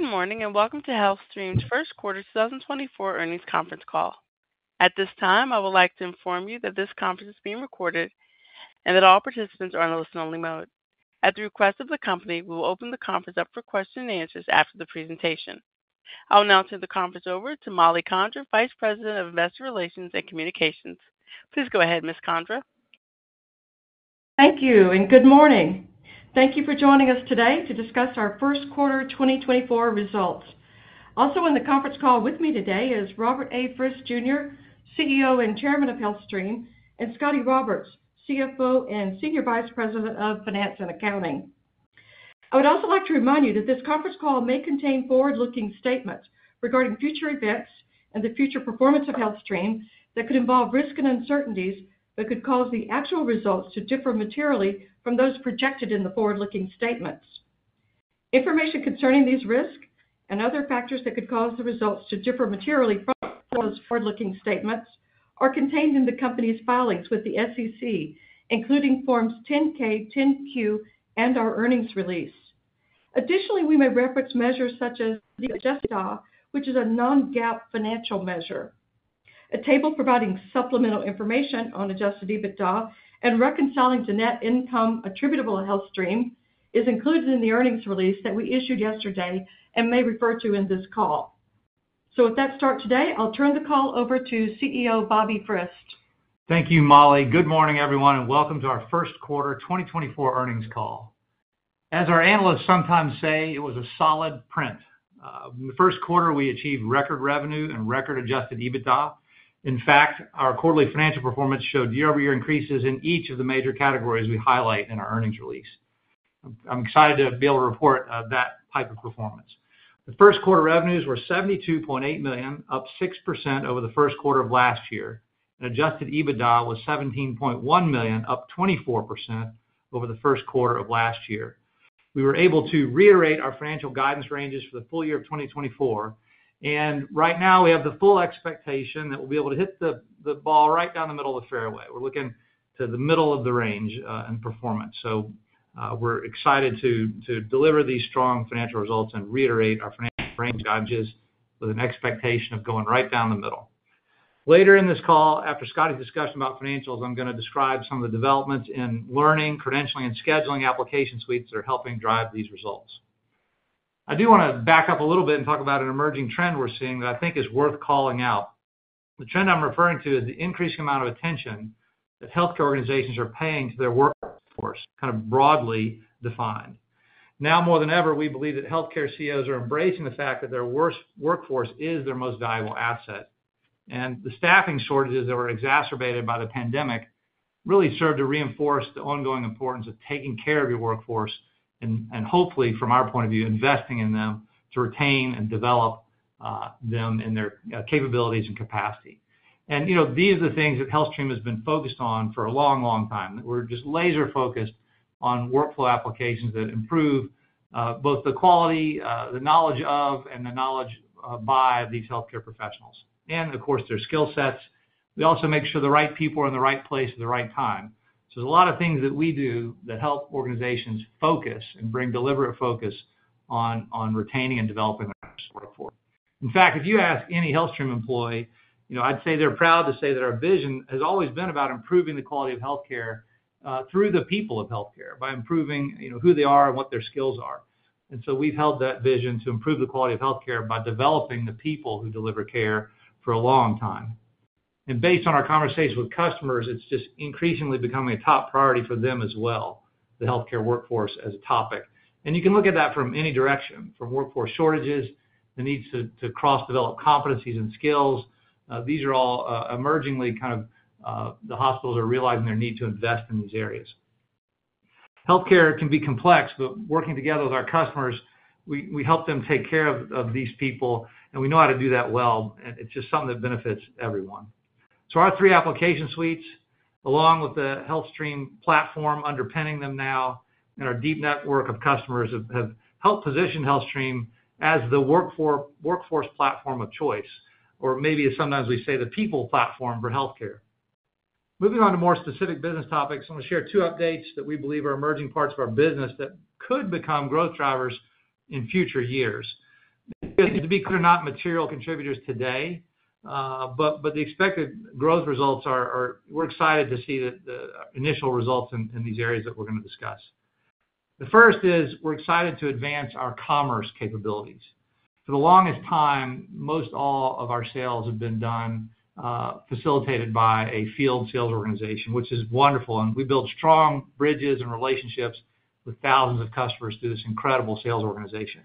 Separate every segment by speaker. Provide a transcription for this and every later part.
Speaker 1: Good morning and welcome to HealthStream's first quarter 2024 earnings conference call. At this time, I would like to inform you that this conference is being recorded and that all participants are in a listen-only mode. At the request of the company, we will open the conference up for questions and answers after the presentation. I will now turn the conference over to Mollie Condra, Vice President of Investor Relations and Communications. Please go ahead, Ms. Condra.
Speaker 2: Thank you and good morning. Thank you for joining us today to discuss our first quarter 2024 results. Also in the conference call with me today is Robert A. Frist, Jr., CEO and Chairman of HealthStream, and Scotty Roberts, CFO and Senior Vice President of Finance and Accounting. I would also like to remind you that this conference call may contain forward-looking statements regarding future events and the future performance of HealthStream that could involve risk and uncertainties that could cause the actual results to differ materially from those projected in the forward-looking statements. Information concerning these risks and other factors that could cause the results to differ materially from those forward-looking statements are contained in the company's filings with the SEC, including Forms 10-K, 10-Q, and our earnings release. Additionally, we may reference measures such as the Adjusted EBITDA, which is a non-GAAP financial measure. A table providing supplemental information on Adjusted EBITDA and reconciling to net income attributable to HealthStream is included in the earnings release that we issued yesterday and may refer to in this call. So with that start today, I'll turn the call over to CEO Bobby Frist.
Speaker 3: Thank you, Molly. Good morning, everyone, and welcome to our first quarter 2024 earnings call. As our analysts sometimes say, it was a solid print. In the first quarter, we achieved record revenue and record adjusted EBITDA. In fact, our quarterly financial performance showed year-over-year increases in each of the major categories we highlight in our earnings release. I'm excited to be able to report that type of performance. The first quarter revenues were $72.8 million, up 6% over the first quarter of last year, and adjusted EBITDA was $17.1 million, up 24% over the first quarter of last year. We were able to reiterate our financial guidance ranges for the full year of 2024, and right now we have the full expectation that we'll be able to hit the ball right down the middle of the fairway. We're looking to the middle of the range in performance, so we're excited to deliver these strong financial results and reiterate our financial range guidance with an expectation of going right down the middle. Later in this call, after Scotty's discussion about financials, I'm going to describe some of the developments in learning, credentialing, and scheduling application suites that are helping drive these results. I do want to back up a little bit and talk about an emerging trend we're seeing that I think is worth calling out. The trend I'm referring to is the increasing amount of attention that healthcare organizations are paying to their workforce, kind of broadly defined. Now more than ever, we believe that healthcare CEOs are embracing the fact that their workforce is their most valuable asset, and the staffing shortages that were exacerbated by the pandemic really served to reinforce the ongoing importance of taking care of your workforce and, hopefully, from our point of view, investing in them to retain and develop them in their capabilities and capacity. And these are the things that HealthStream has been focused on for a long, long time. We're just laser-focused on workflow applications that improve both the quality, the knowledge of, and the knowledge by these healthcare professionals, and of course their skill sets. We also make sure the right people are in the right place at the right time. So there's a lot of things that we do that help organizations focus and bring deliberate focus on retaining and developing their workforce. In fact, if you ask any HealthStream employee, I'd say they're proud to say that our vision has always been about improving the quality of healthcare through the people of healthcare by improving who they are and what their skills are. And so we've held that vision to improve the quality of healthcare by developing the people who deliver care for a long time. And based on our conversations with customers, it's just increasingly becoming a top priority for them as well, the healthcare workforce, as a topic. And you can look at that from any direction: from workforce shortages, the need to cross-develop competencies and skills. These are all emergingly kind of the hospitals are realizing their need to invest in these areas. Healthcare can be complex, but working together with our customers, we help them take care of these people, and we know how to do that well, and it's just something that benefits everyone. So our three application suites, along with the HealthStream platform underpinning them now and our deep network of customers, have helped position HealthStream as the workforce platform of choice, or maybe as sometimes we say, the people platform for healthcare. Moving on to more specific business topics, I want to share two updates that we believe are emerging parts of our business that could become growth drivers in future years. They need to be clear, not material contributors today, but the expected growth results are, we're excited to see the initial results in these areas that we're going to discuss. The first is we're excited to advance our commerce capabilities. For the longest time, most all of our sales have been done, facilitated by a field sales organization, which is wonderful, and we build strong bridges and relationships with thousands of customers through this incredible sales organization.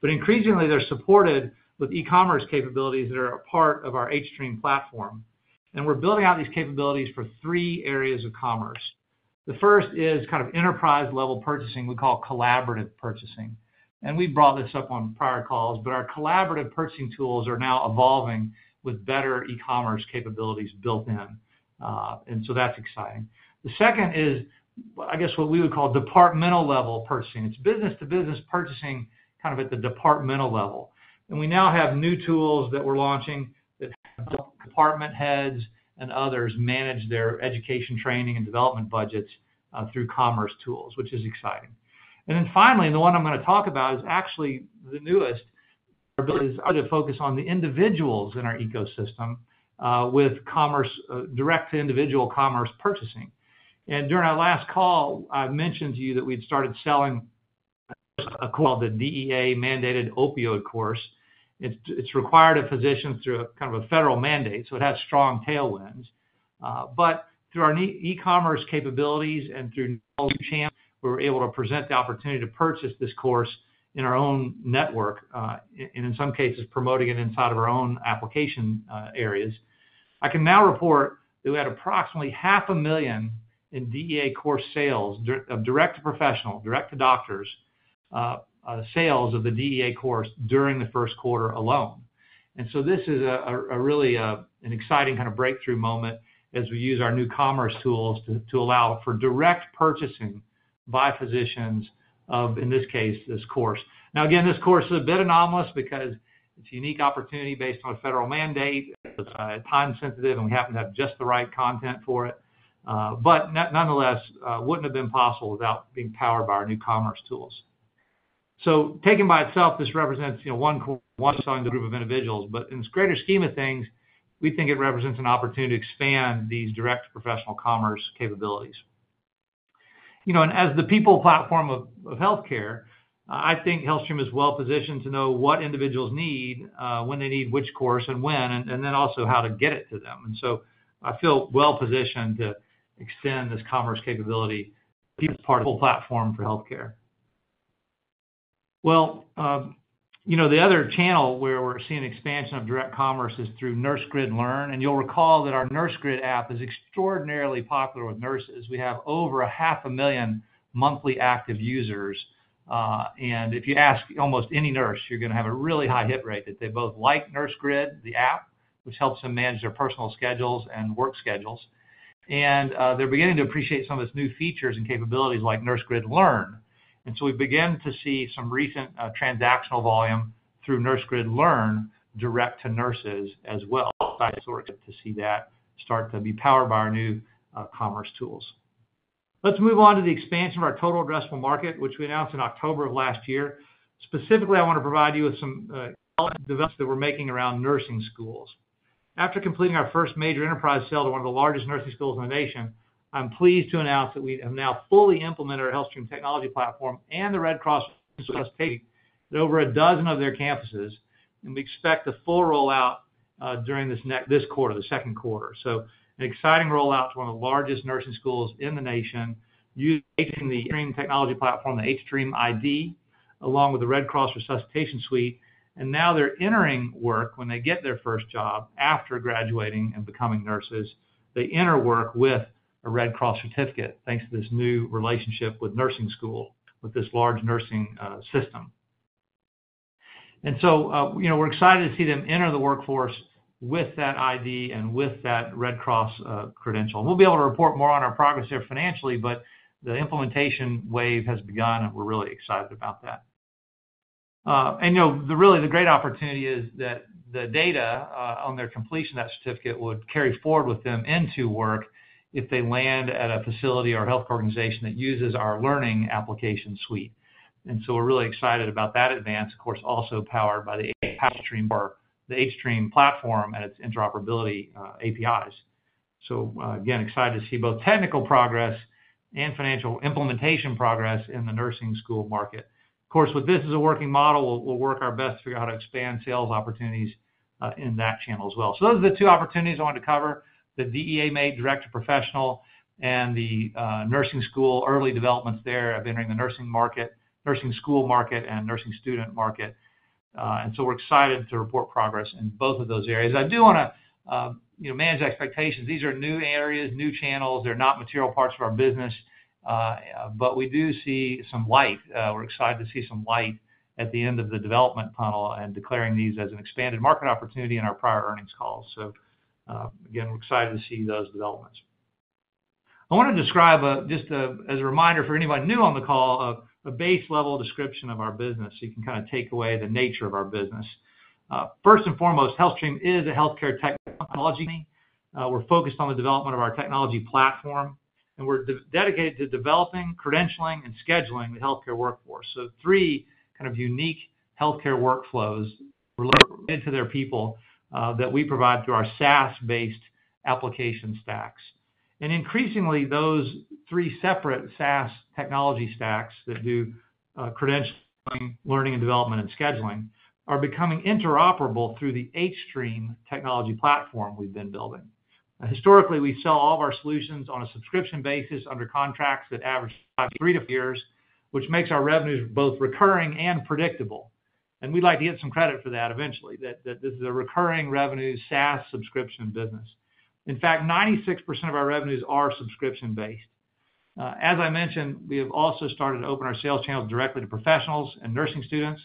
Speaker 3: But increasingly, they're supported with e-commerce capabilities that are a part of our hStream platform, and we're building out these capabilities for three areas of commerce. The first is kind of enterprise-level purchasing we call Collaborative Purchasing, and we brought this up on prior calls, but our Collaborative Purchasing tools are now evolving with better e-commerce capabilities built in, and so that's exciting. The second is, I guess, what we would call departmental-level purchasing. It's business-to-business purchasing kind of at the departmental level, and we now have new tools that we're launching that help department heads and others manage their education, training, and development budgets through commerce tools, which is exciting. Then finally, and the one I'm going to talk about is actually the newest, is our ability to focus on the individuals in our ecosystem with direct-to-individual commerce purchasing. During our last call, I mentioned to you that we'd started selling a course called the DEA Mandated Opioid Course. It's required of physicians through a kind of a federal mandate, so it has strong tailwinds. Through our e-commerce capabilities and through hStream, we were able to present the opportunity to purchase this course in our own network and, in some cases, promoting it inside of our own application areas. I can now report that we had approximately $500,000 in DEA course sales of direct-to-professional, direct-to-doctors sales of the DEA course during the first quarter alone. And so this is really an exciting kind of breakthrough moment as we use our new commerce tools to allow for direct purchasing by physicians of, in this case, this course. Now again, this course is a bit anomalous because it's a unique opportunity based on a federal mandate. It's time-sensitive, and we happen to have just the right content for it, but nonetheless, wouldn't have been possible without being powered by our new commerce tools. So taken by itself, this represents one course selling to a group of individuals, but in its greater scheme of things, we think it represents an opportunity to expand these direct-to-professional commerce capabilities. And as the people platform of healthcare, I think HealthStream is well positioned to know what individuals need, when they need which course and when, and then also how to get it to them. And so I feel well positioned to extend this commerce capability to be part of the whole platform for healthcare. Well, the other channel where we're seeing expansion of direct commerce is through NurseGrid Learn, and you'll recall that our NurseGrid app is extraordinarily popular with nurses. We have over 500,000 monthly active users, and if you ask almost any nurse, you're going to have a really high hit rate that they both like NurseGrid, the app, which helps them manage their personal schedules and work schedules. And they're beginning to appreciate some of its new features and capabilities like NurseGrid Learn, and so we've begun to see some recent transactional volume through NurseGrid Learn direct to nurses as well. I'm excited to see that start to be powered by our new commerce tools. Let's move on to the expansion of our total addressable market, which we announced in October of last year. Specifically, I want to provide you with some developments that we're making around nursing schools. After completing our first major enterprise sale to one of the largest nursing schools in the nation, I'm pleased to announce that we have now fully implemented our HealthStream technology platform and the Red Cross Resuscitation at over a dozen of their campuses, and we expect the full rollout during this quarter, the second quarter. An exciting rollout to one of the largest nursing schools in the nation, using the hStream technology platform, the hStream ID, along with the Red Cross Resuscitation Suite, and now they're entering work when they get their first job after graduating and becoming nurses. They enter work with a Red Cross certificate thanks to this new relationship with nursing school, with this large nursing system. And so we're excited to see them enter the workforce with that ID and with that Red Cross credential. And we'll be able to report more on our progress there financially, but the implementation wave has begun, and we're really excited about that. And really, the great opportunity is that the data on their completion of that certificate would carry forward with them into work if they land at a facility or a healthcare organization that uses our learning application suite. And so we're really excited about that advance, of course also powered by the hStream platform and its interoperability APIs. So again, excited to see both technical progress and financial implementation progress in the nursing school market. Of course, with this as a working model, we'll work our best to figure out how to expand sales opportunities in that channel as well. So those are the two opportunities I wanted to cover: the DEA MATE direct-to-professional and the nursing school early developments there of entering the nursing market, nursing school market, and nursing student market. And so we're excited to report progress in both of those areas. I do want to manage expectations. These are new areas, new channels. They're not material parts of our business, but we do see some light. We're excited to see some light at the end of the development funnel and declaring these as an expanded market opportunity in our prior earnings calls. So again, we're excited to see those developments. I want to describe just as a reminder for anybody new on the call a base-level description of our business so you can kind of take away the nature of our business. First and foremost, HealthStream is a healthcare technology company. We're focused on the development of our technology platform, and we're dedicated to developing, credentialing, and scheduling the healthcare workforce. So three kind of unique healthcare workflows related to their people that we provide through our SaaS-based application stacks. And increasingly, those three separate SaaS technology stacks that do credentialing, learning, and development, and scheduling are becoming interoperable through the hStream technology platform we've been building. Historically, we sell all of our solutions on a subscription basis under contracts that average 3-5 years, which makes our revenues both recurring and predictable, and we'd like to get some credit for that eventually, that this is a recurring revenue SaaS subscription business. In fact, 96% of our revenues are subscription-based. As I mentioned, we have also started to open our sales channels directly to professionals and nursing students.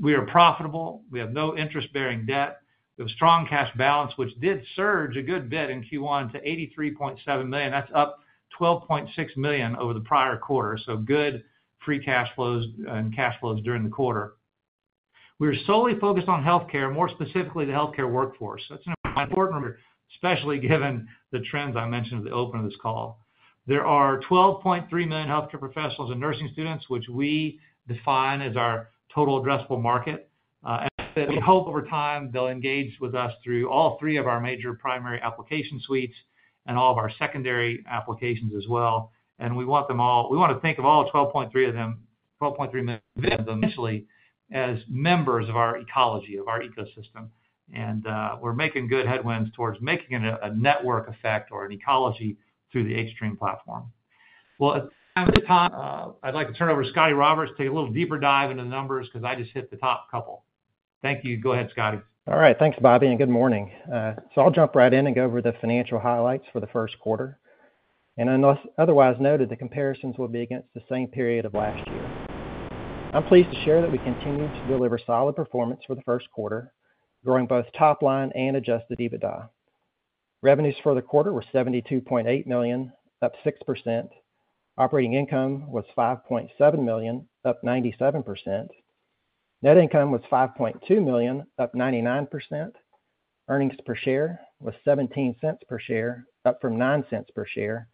Speaker 3: We are profitable. We have no interest-bearing debt. We have a strong cash balance, which did surge a good bit in Q1 to $83.7 million. That's up $12.6 million over the prior quarter, so good free cash flows and cash flows during the quarter. We are solely focused on healthcare, more specifically the healthcare workforce. That's an important number, especially given the trends I mentioned at the open of this call. There are 12.3 million healthcare professionals and nursing students, which we define as our total addressable market, and we hope over time they'll engage with us through all three of our major primary application suites and all of our secondary applications as well. We want them all. We want to think of all 12.3 of them, 12.3 million of them, essentially as members of our ecology, of our ecosystem, and we're making good headwinds towards making it a network effect or an ecology through the hStream platform. Well, at this time, I'd like to turn over to Scotty Roberts to take a little deeper dive into the numbers because I just hit the top couple. Thank you. Go ahead, Scotty.
Speaker 4: All right. Thanks, Bobby, and good morning. I'll jump right in and go over the financial highlights for the first quarter, and unless otherwise noted, the comparisons will be against the same period of last year. I'm pleased to share that we continued to deliver solid performance for the first quarter, growing both top line and adjusted EBITDA. Revenues for the quarter were $72.8 million, up 6%. Operating income was $5.7 million, up 97%. Net income was $5.2 million, up 99%. Earnings per share was $0.17, up from $0.09,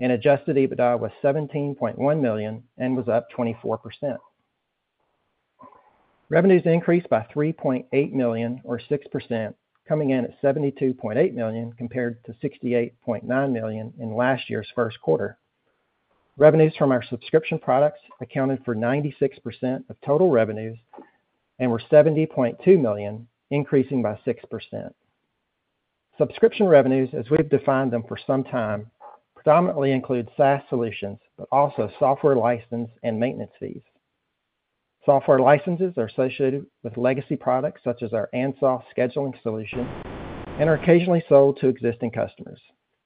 Speaker 4: and adjusted EBITDA was $17.1 million, up 24%. Revenues increased by $3.8 million or 6%, coming in at $72.8 million compared to $68.9 million in last year's first quarter. Revenues from our subscription products accounted for 96% of total revenues and were $70.2 million, increasing by 6%. Subscription revenues, as we've defined them for some time, predominantly include SaaS solutions but also software license and maintenance fees. Software licenses are associated with legacy products such as our ANSOS scheduling solution and are occasionally sold to existing customers.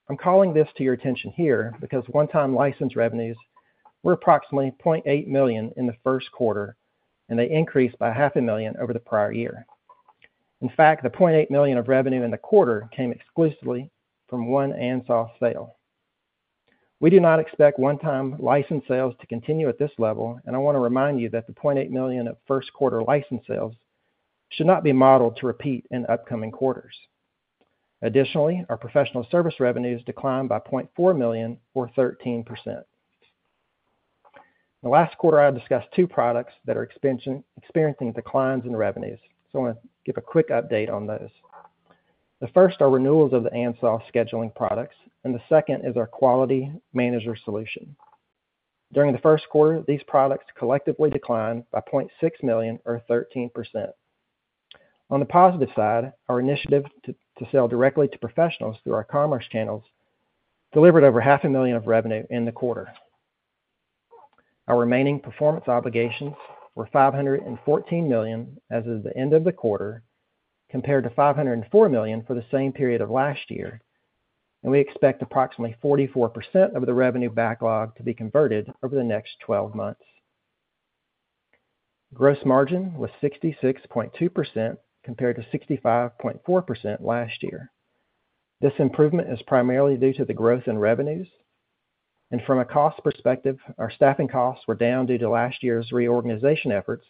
Speaker 4: I'm calling this to your attention here because one-time license revenues were approximately $0.8 million in the first quarter, and they increased by $0.5 million over the prior year. In fact, the $0.8 million of revenue in the quarter came exclusively from one ANSOS sale. We do not expect one-time license sales to continue at this level, and I want to remind you that the $0.8 million of first-quarter license sales should not be modeled to repeat in upcoming quarters. Additionally, our professional service revenues declined by $0.4 million or 13%. In the last quarter, I discussed two products that are experiencing declines in revenues, so I want to give a quick update on those. The first are renewals of the ANSOS scheduling products, and the second is our Quality Manager solution. During the first quarter, these products collectively declined by $0.6 million or 13%. On the positive side, our initiative to sell directly to professionals through our commerce channels delivered over $500,000 of revenue in the quarter. Our remaining performance obligations were $514 million as of the end of the quarter compared to $504 million for the same period of last year, and we expect approximately 44% of the revenue backlog to be converted over the next 12 months. Gross margin was 66.2% compared to 65.4% last year. This improvement is primarily due to the growth in revenues, and from a cost perspective, our staffing costs were down due to last year's reorganization efforts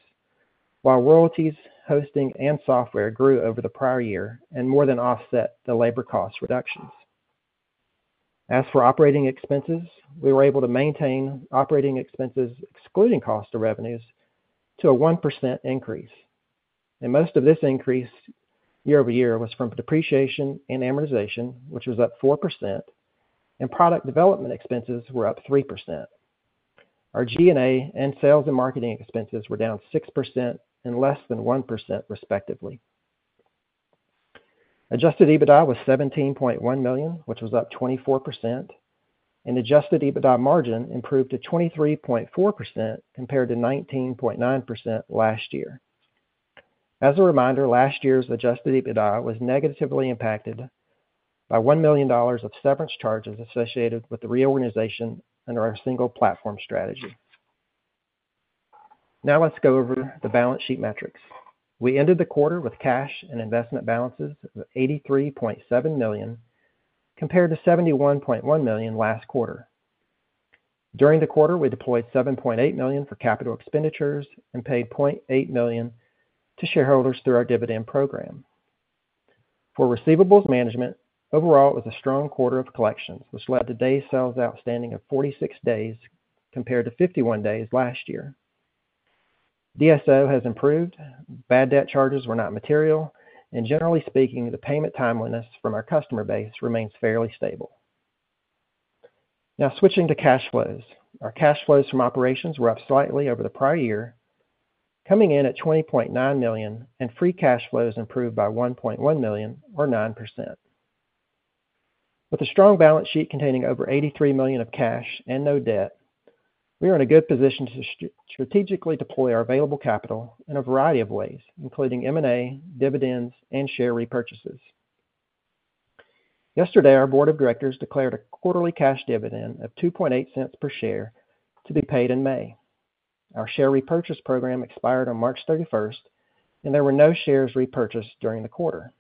Speaker 4: while royalties, hosting, and software grew over the prior year and more than offset the labor cost reductions. As for operating expenses, we were able to maintain operating expenses excluding cost of revenues to a 1% increase, and most of this increase year-over-year was from depreciation and amortization, which was up 4%, and product development expenses were up 3%. Our G&A and sales and marketing expenses were down 6% and less than 1% respectively. Adjusted EBITDA was $17.1 million, which was up 24%, and adjusted EBITDA margin improved to 23.4% compared to 19.9% last year. As a reminder, last year's adjusted EBITDA was negatively impacted by $1 million of severance charges associated with the reorganization under our single platform strategy. Now let's go over the balance sheet metrics. We ended the quarter with cash and investment balances of $83.7 million compared to $71.1 million last quarter. During the quarter, we deployed $7.8 million for capital expenditures and paid $0.8 million to shareholders through our dividend program. For receivables management, overall, it was a strong quarter of collections, which led to day sales outstanding of 46 days compared to 51 days last year. DSO has improved. Bad debt charges were not material. Generally speaking, the payment timeliness from our customer base remains fairly stable. Now switching to cash flows. Our cash flows from operations were up slightly over the prior year, coming in at $20.9 million, and free cash flows improved by $1.1 million or 9%. With a strong balance sheet containing over $83 million of cash and no debt, we are in a good position to strategically deploy our available capital in a variety of ways, including M&A, dividends, and share repurchases. Yesterday, our board of directors declared a quarterly cash dividend of $0.028 per share to be paid in May. Our share repurchase program expired on March 31st, and there were no shares repurchased during the quarter.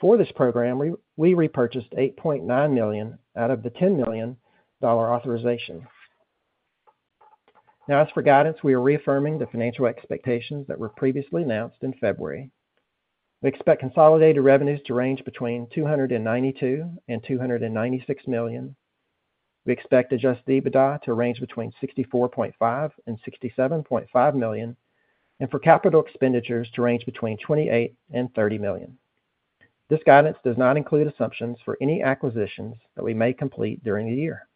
Speaker 4: For this program, we repurchased 8.9 million out of the $10 million authorization. Now, as for guidance, we are reaffirming the financial expectations that were previously announced in February. We expect consolidated revenues to range between $292 million-$296 million. We expect adjusted EBITDA to range between $64.5 million-$67.5 million, and for capital expenditures to range between $28 million-$30 million. This guidance does not include assumptions for any acquisitions that we may complete during the year.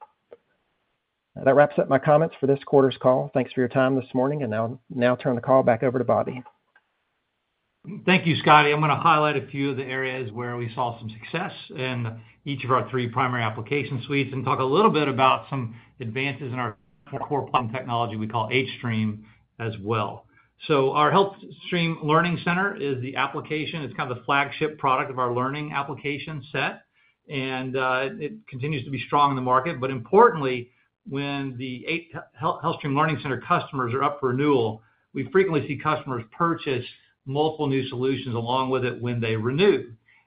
Speaker 4: That wraps up my comments for this quarter's call. Thanks for your time this morning, and I'll now turn the call back over to Bobby.
Speaker 3: Thank you, Scotty. I'm going to highlight a few of the areas where we saw some success in each of our three primary application suites and talk a little bit about some advances in our core platform technology we call hStream as well. Our HealthStream Learning Center is the application. It's kind of the flagship product of our learning application set, and it continues to be strong in the market. But importantly, when the HealthStream Learning Center customers are up for renewal, we frequently see customers purchase multiple new solutions along with it when they renew.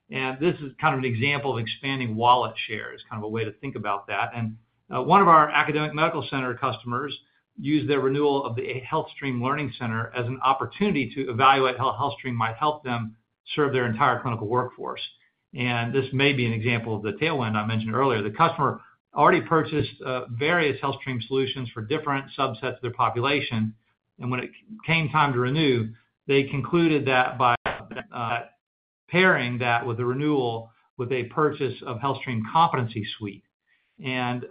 Speaker 3: This is kind of an example of expanding wallet share as kind of a way to think about that. One of our academic medical center customers used their renewal of the HealthStream Learning Center as an opportunity to evaluate how HealthStream might help them serve their entire clinical workforce. This may be an example of the tailwind I mentioned earlier. The customer already purchased various HealthStream solutions for different subsets of their population, and when it came time to renew, they concluded that by pairing that with a renewal with a purchase of HealthStream Competency Suite, and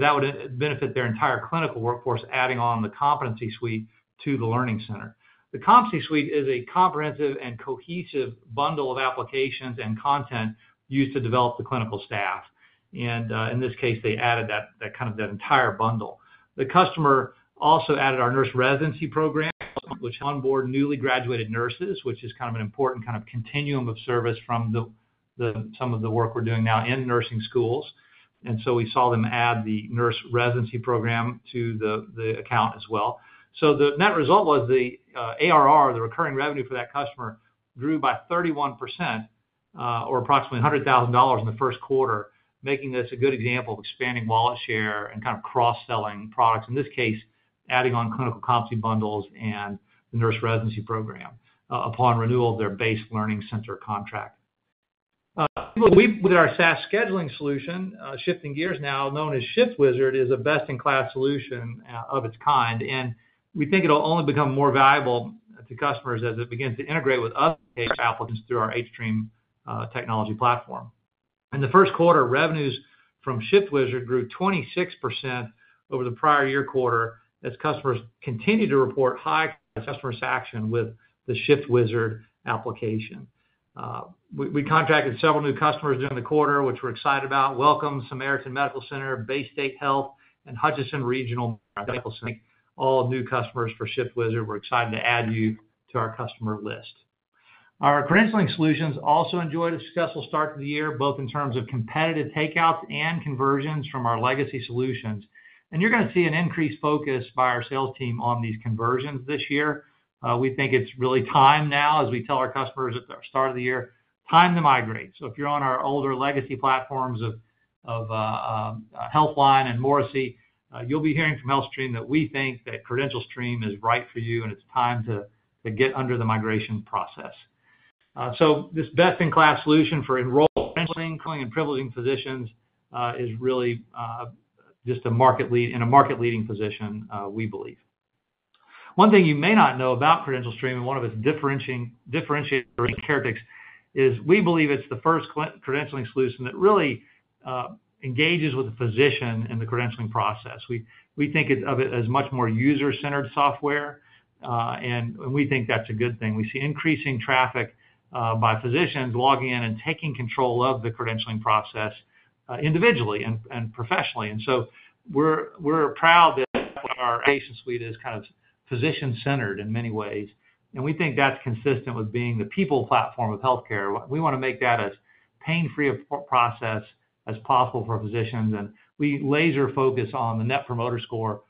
Speaker 3: that would benefit their entire clinical workforce adding on the Competency Suite to the learning center. The Competency Suite is a comprehensive and cohesive bundle of applications and content used to develop the clinical staff. In this case, they added that kind of that entire bundle. The customer also added our Nurse Residency Program, which onboarded newly graduated nurses, which is kind of an important kind of continuum of service from some of the work we're doing now in nursing schools. So we saw them add the Nurse Residency Program to the account as well. So the net result was the ARR, the recurring revenue for that customer, grew by 31% or approximately $100,000 in the first quarter, making this a good example of expanding wallet share and kind of cross-selling products, in this case, adding on clinical competency bundles and the Nurse Residency Program upon renewal of their base learning center contract. With our SaaS scheduling solution, ShiftWizard, is a best-in-class solution of its kind, and we think it'll only become more valuable to customers as it begins to integrate with other applications through our hStream technology platform. In the first quarter, revenues from ShiftWizard grew 26% over the prior year quarter as customers continue to report high customer satisfaction with the ShiftWizard application. We contracted several new customers during the quarter, which we're excited about: Welcome, Samaritan Medical Center, Baystate Health, and Hutchinson Regional Medical Center. I think all new customers for ShiftWizard were excited to add you to our customer list. Our credentialing solutions also enjoyed a successful start to the year, both in terms of competitive takeouts and conversions from our legacy solutions. And you're going to see an increased focus by our sales team on these conversions this year. We think it's really time now, as we tell our customers at the start of the year, time to migrate. So if you're on our older legacy platforms of HealthLine and Morrissey, you'll be hearing from HealthStream that we think that CredentialStream is right for you, and it's time to get under the migration process. So this best-in-class solution for enrolled credentialing and privileging physicians is really just a market lead in a market-leading position, we believe. One thing you may not know about CredentialStream and one of its differentiating characteristics is we believe it's the first credentialing solution that really engages with the physician in the credentialing process. We think of it as much more user-centered software, and we think that's a good thing. We see increasing traffic by physicians logging in and taking control of the credentialing process individually and professionally. We're proud that our patient suite is kind of physician-centered in many ways, and we think that's consistent with being the people platform of healthcare. We want to make that as pain-free a process as possible for physicians, and we laser-focus on the Net Promoter Score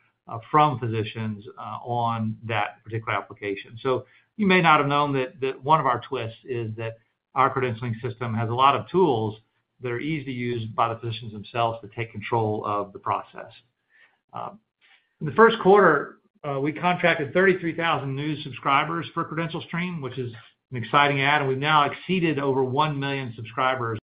Speaker 3: from physicians on that particular application. So you may not have known that one of our twists is that our credentialing system has a lot of tools that are easy to use by the physicians themselves to take control of the process. In the first quarter, we contracted 33,000 new subscribers for CredentialStream, which is an exciting add, and we've now exceeded over 1 million subscribers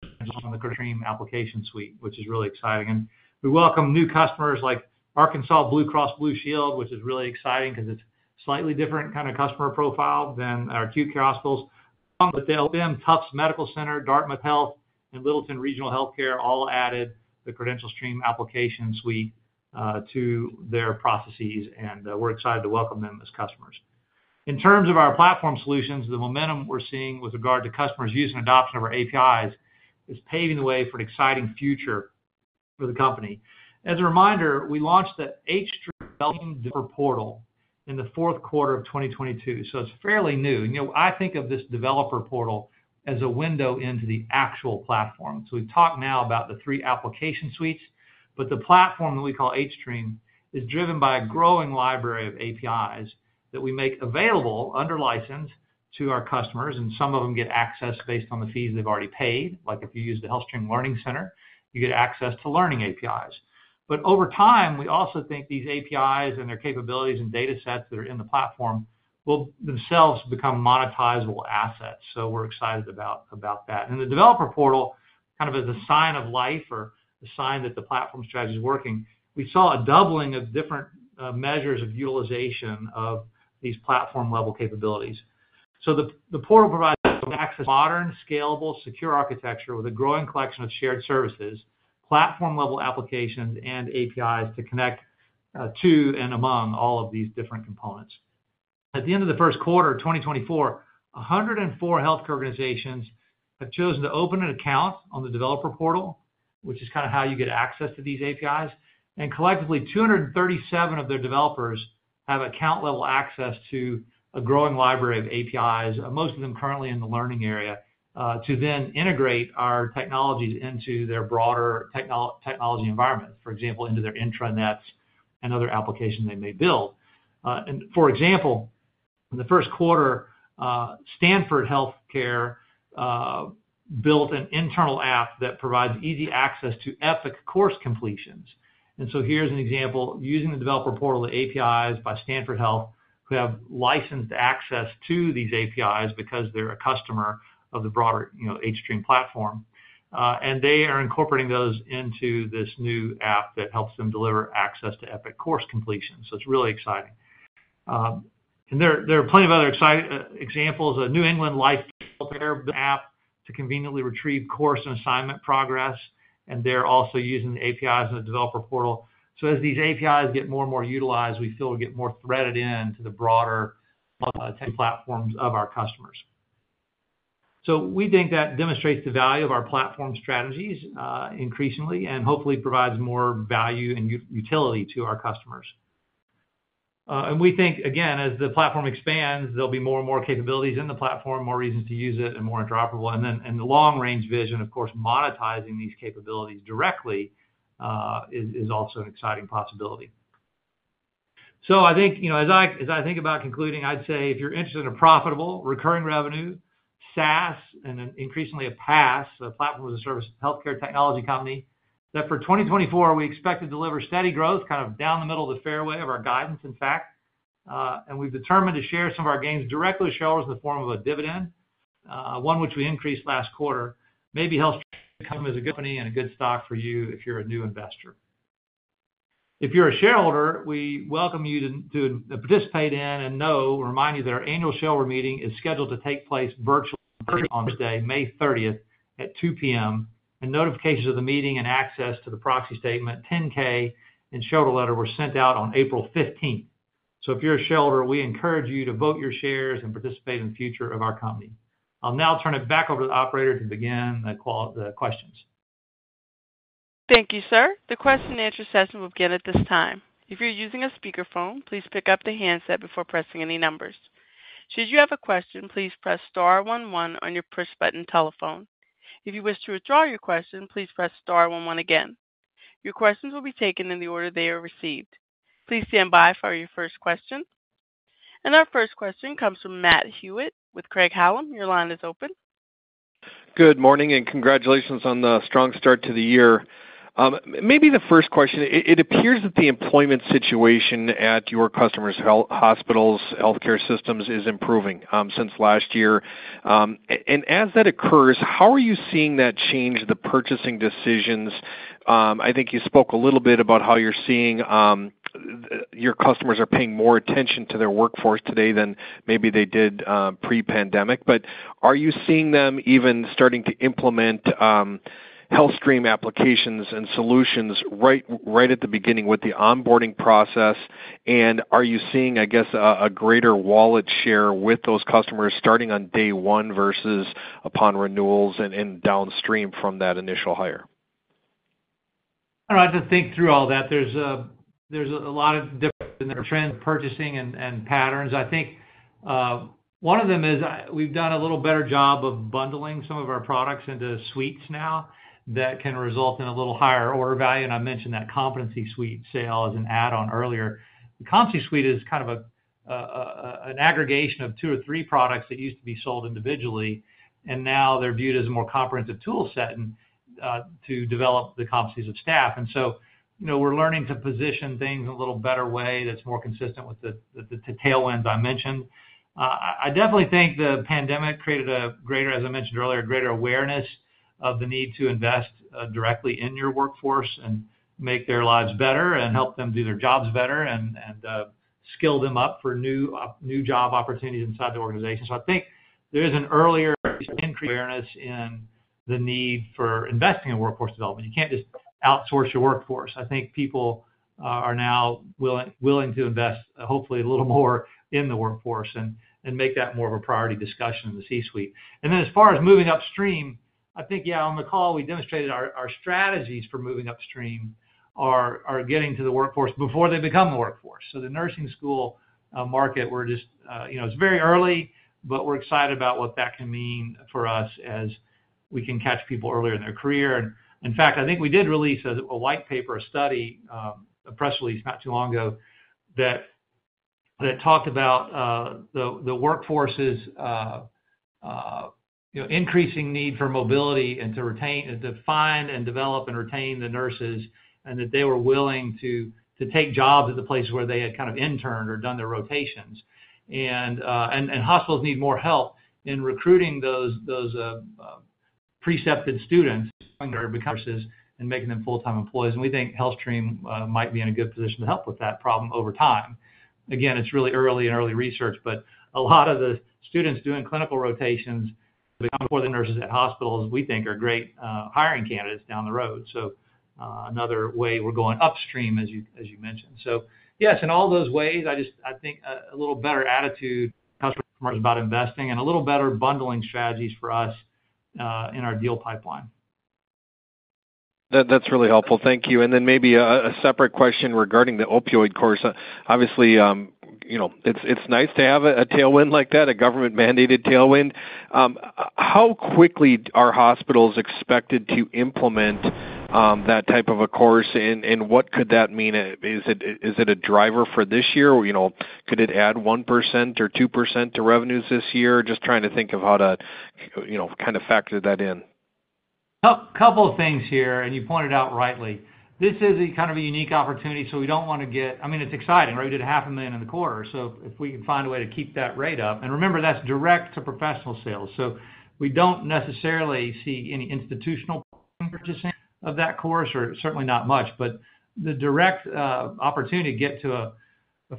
Speaker 3: on the CredentialStream application suite, which is really exciting. We welcome new customers like Arkansas Blue Cross and Blue Shield, which is really exciting because it's a slightly different kind of customer profile than our acute care hospitals. But the Alabama, Tufts Medical Center, Dartmouth Health, and Littleton Regional Healthcare all added the CredentialStream application suite to their processes, and we're excited to welcome them as customers. In terms of our platform solutions, the momentum we're seeing with regard to customers' use and adoption of our APIs is paving the way for an exciting future for the company. As a reminder, we launched the hStream Developer Portal in the fourth quarter of 2022, so it's fairly new. I think of this developer portal as a window into the actual platform. So we've talked now about the three application suites, but the platform that we call hStream is driven by a growing library of APIs that we make available under license to our customers, and some of them get access based on the fees they've already paid. Like if you use the HealthStream Learning Center, you get access to learning APIs. But over time, we also think these APIs and their capabilities and datasets that are in the platform will themselves become monetizable assets, so we're excited about that. And the developer portal, kind of as a sign of life or a sign that the platform strategy is working, we saw a doubling of different measures of utilization of these platform-level capabilities. So the portal provides access to modern, scalable, secure architecture with a growing collection of shared services, platform-level applications, and APIs to connect to and among all of these different components. At the end of the first quarter, 2024, 104 healthcare organizations have chosen to open an account on the developer portal, which is kind of how you get access to these APIs, and collectively, 237 of their developers have account-level access to a growing library of APIs, most of them currently in the learning area, to then integrate our technologies into their broader technology environment, for example, into their intranets and other applications they may build. And for example, in the first quarter, Stanford Health Care built an internal app that provides easy access to Epic course completions. So here's an example: using the developer portal, the APIs by Stanford Health Care who have licensed access to these APIs because they're a customer of the broader hStream platform, and they are incorporating those into this new app that helps them deliver access to Epic course completions. So it's really exciting. And there are plenty of other examples: a New England Life Care app to conveniently retrieve course and assignment progress, and they're also using the APIs in the developer portal. So as these APIs get more and more utilized, we feel we get more threaded into the broader platforms of our customers. So we think that demonstrates the value of our platform strategies increasingly and hopefully provides more value and utility to our customers. We think, again, as the platform expands, there'll be more and more capabilities in the platform, more reasons to use it, and more interoperable. The long-range vision, of course, monetizing these capabilities directly is also an exciting possibility. I think as I think about concluding, I'd say if you're interested in a profitable recurring revenue SaaS and increasingly a PaaS, a platform-as-a-service healthcare technology company, that for 2024, we expect to deliver steady growth kind of down the middle of the fairway of our guidance, in fact. We've determined to share some of our gains directly with shareholders in the form of a dividend, one which we increased last quarter. Maybe HealthStream is a company and a good stock for you if you're a new investor. If you're a shareholder, we welcome you to participate, and now remind you that our annual shareholder meeting is scheduled to take place virtually on Thursday, May 30th, at 2:00 P.M., and notifications of the meeting and access to the proxy statement, 10-K, and shareholder letter were sent out on April 15th. So if you're a shareholder, we encourage you to vote your shares and participate in the future of our company. I'll now turn it back over to the operator to begin the questions.
Speaker 1: Thank you, sir. The question-and-answer session will begin at this time. If you're using a speakerphone, please pick up the handset before pressing any numbers. Should you have a question, please press star 11 on your push-button telephone. If you wish to withdraw your question, please press star 11 again. Your questions will be taken in the order they are received. Please stand by for your first question. Our first question comes from Matt Hewitt with Craig-Hallum. Your line is open.
Speaker 5: Good morning and congratulations on the strong start to the year. Maybe the first question: it appears that the employment situation at your customers' hospitals, healthcare systems, is improving since last year. As that occurs, how are you seeing that change the purchasing decisions? I think you spoke a little bit about how you're seeing your customers are paying more attention to their workforce today than maybe they did pre-pandemic. But are you seeing them even starting to implement HealthStream applications and solutions right at the beginning with the onboarding process, and are you seeing, I guess, a greater wallet share with those customers starting on day one versus upon renewals and downstream from that initial hire?
Speaker 3: I'd like to think through all that. There's a lot of difference in their trends of purchasing and patterns. I think one of them is we've done a little better job of bundling some of our products into suites now that can result in a little higher order value. I mentioned that Competency Suite sale as an add-on earlier. The Competency Suite is kind of an aggregation of two or three products that used to be sold individually, and now they're viewed as a more comprehensive toolset to develop the competencies of staff. And so we're learning to position things in a little better way that's more consistent with the tailwinds I mentioned. I definitely think the pandemic created a greater, as I mentioned earlier, greater awareness of the need to invest directly in your workforce and make their lives better and help them do their jobs better and skill them up for new job opportunities inside the organization. So I think there is an earlier increased awareness in the need for investing in workforce development. You can't just outsource your workforce. I think people are now willing to invest, hopefully, a little more in the workforce and make that more of a priority discussion in the C-suite. And then as far as moving upstream, I think, yeah, on the call, we demonstrated our strategies for moving upstream are getting to the workforce before they become the workforce. So the nursing school market, we're just, it's very early, but we're excited about what that can mean for us as we can catch people earlier in their career. In fact, I think we did release a white paper, a study, a press release not too long ago that talked about the workforce's increasing need for mobility and to find and develop and retain the nurses and that they were willing to take jobs at the places where they had kind of interned or done their rotations. Hospitals need more help in recruiting those precepted students to become nurses and making them full-time employees. We think HealthStream might be in a good position to help with that problem over time. Again, it's really early and early research, but a lot of the students doing clinical rotations to become employed nurses at hospitals, we think, are great hiring candidates down the road. So another way we're going upstream, as you mentioned. So yes, in all those ways, I think a little better attitude from our customers about investing and a little better bundling strategies for us in our deal pipeline.
Speaker 5: That's really helpful. Thank you. And then maybe a separate question regarding the opioid course. Obviously, it's nice to have a tailwind like that, a government-mandated tailwind. How quickly are hospitals expected to implement that type of a course, and what could that mean? Is it a driver for this year? Could it add 1% or 2% to revenues this year? Just trying to think of how to kind of factor that in.
Speaker 3: A couple of things here, and you pointed out rightly. This is kind of a unique opportunity, so we don't want to get, I mean, it's exciting, right? We did $500,000 in the quarter, so if we can find a way to keep that rate up. And remember, that's direct to professional sales, so we don't necessarily see any institutional purchasing of that course or certainly not much. But the direct opportunity to get to a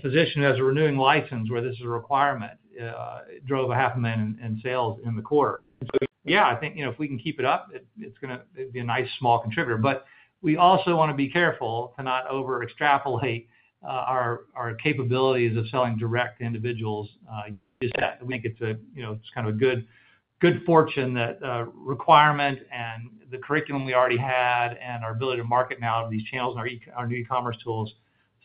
Speaker 3: physician who has a renewing license where this is a requirement drove $500,000 in sales in the quarter. So yeah, I think if we can keep it up, it's going to be a nice small contributor. But we also want to be careful to not overextrapolate our capabilities of selling direct to individuals to use that. We think it's kind of a good fortune that requirement and the curriculum we already had and our ability to market now through these channels and our new e-commerce tools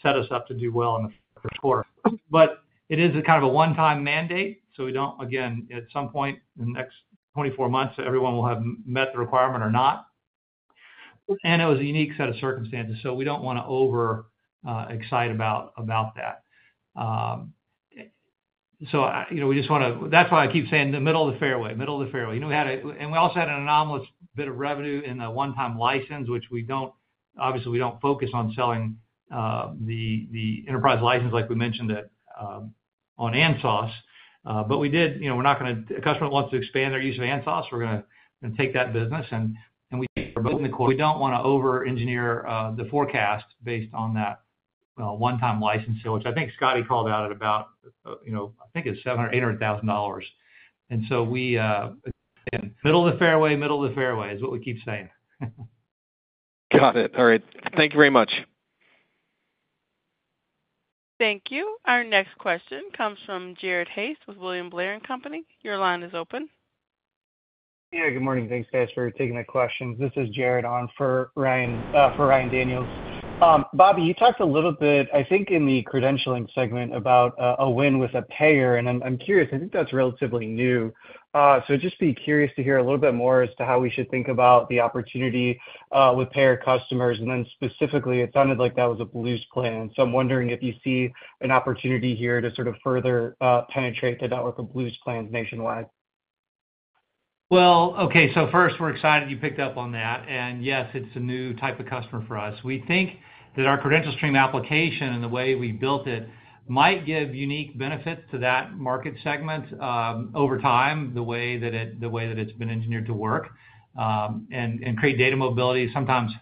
Speaker 3: set us up to do well in the first quarter. But it is kind of a one-time mandate, so we don't, again, at some point in the next 24 months, everyone will have met the requirement or not. And it was a unique set of circumstances, so we don't want to overexcite about that. So we just want to, that's why I keep saying the middle of the fairway, middle of the fairway. And we also had an anomalous bit of revenue in the one-time license, which we don't, obviously, we don't focus on selling the enterprise license, like we mentioned, on ANSOS. But we did. We're not going to a customer that wants to expand their use of ANSOS. We're going to take that business. And we think we're both in the quarter. We don't want to over-engineer the forecast based on that one-time license sale, which I think Scotty called out at about $700,000-$800,000. And so we again, middle of the fairway, middle of the fairway is what we keep saying.
Speaker 5: Got it. All right. Thank you very much.
Speaker 1: Thank you. Our next question comes from Jared Haase with William Blair & Company. Your line is open.
Speaker 6: Yeah, good morning. Thanks, guys, for taking my questions. This is Jared on for Ryan Daniels. Bobby, you talked a little bit, I think, in the credentialing segment about a win with a payer, and I'm curious. I think that's relatively new. So I'd just be curious to hear a little bit more as to how we should think about the opportunity with payer customers. And then specifically, it sounded like that was a Blues plan, so I'm wondering if you see an opportunity here to sort of further penetrate the network of Blues plans nationwide.
Speaker 3: Well, okay, so first, we're excited you picked up on that. And yes, it's a new type of customer for us. We think that our CredentialStream application and the way we built it might give unique benefits to that market segment over time, the way that it's been engineered to work, and create data mobility. Sometimes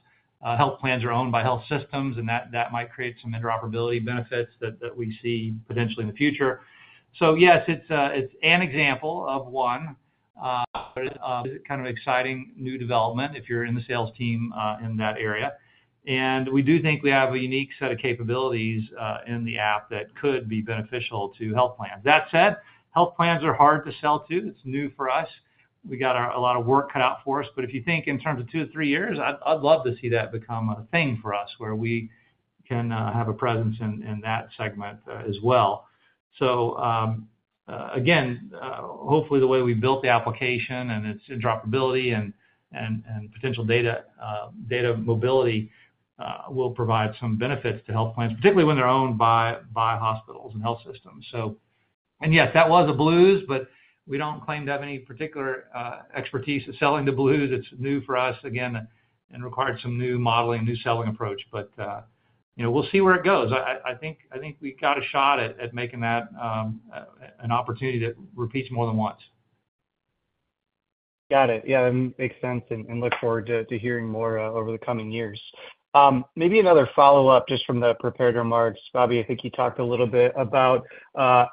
Speaker 3: health plans are owned by health systems, and that might create some interoperability benefits that we see potentially in the future. So yes, it's an example of one. It's kind of an exciting new development if you're in the sales team in that area. We do think we have a unique set of capabilities in the app that could be beneficial to health plans. That said, health plans are hard to sell too. It's new for us. We got a lot of work cut out for us. If you think in terms of 2-3 years, I'd love to see that become a thing for us where we can have a presence in that segment as well. So again, hopefully, the way we built the application and its interoperability and potential data mobility will provide some benefits to health plans, particularly when they're owned by hospitals and health systems. Yes, that was a Blues, but we don't claim to have any particular expertise at selling the Blues. It's new for us, again, and required some new modeling, new selling approach. But we'll see where it goes. I think we got a shot at making that an opportunity that repeats more than once.
Speaker 6: Got it. Yeah, that makes sense and look forward to hearing more over the coming years. Maybe another follow-up just from the prepared remarks. Bobby, I think you talked a little bit about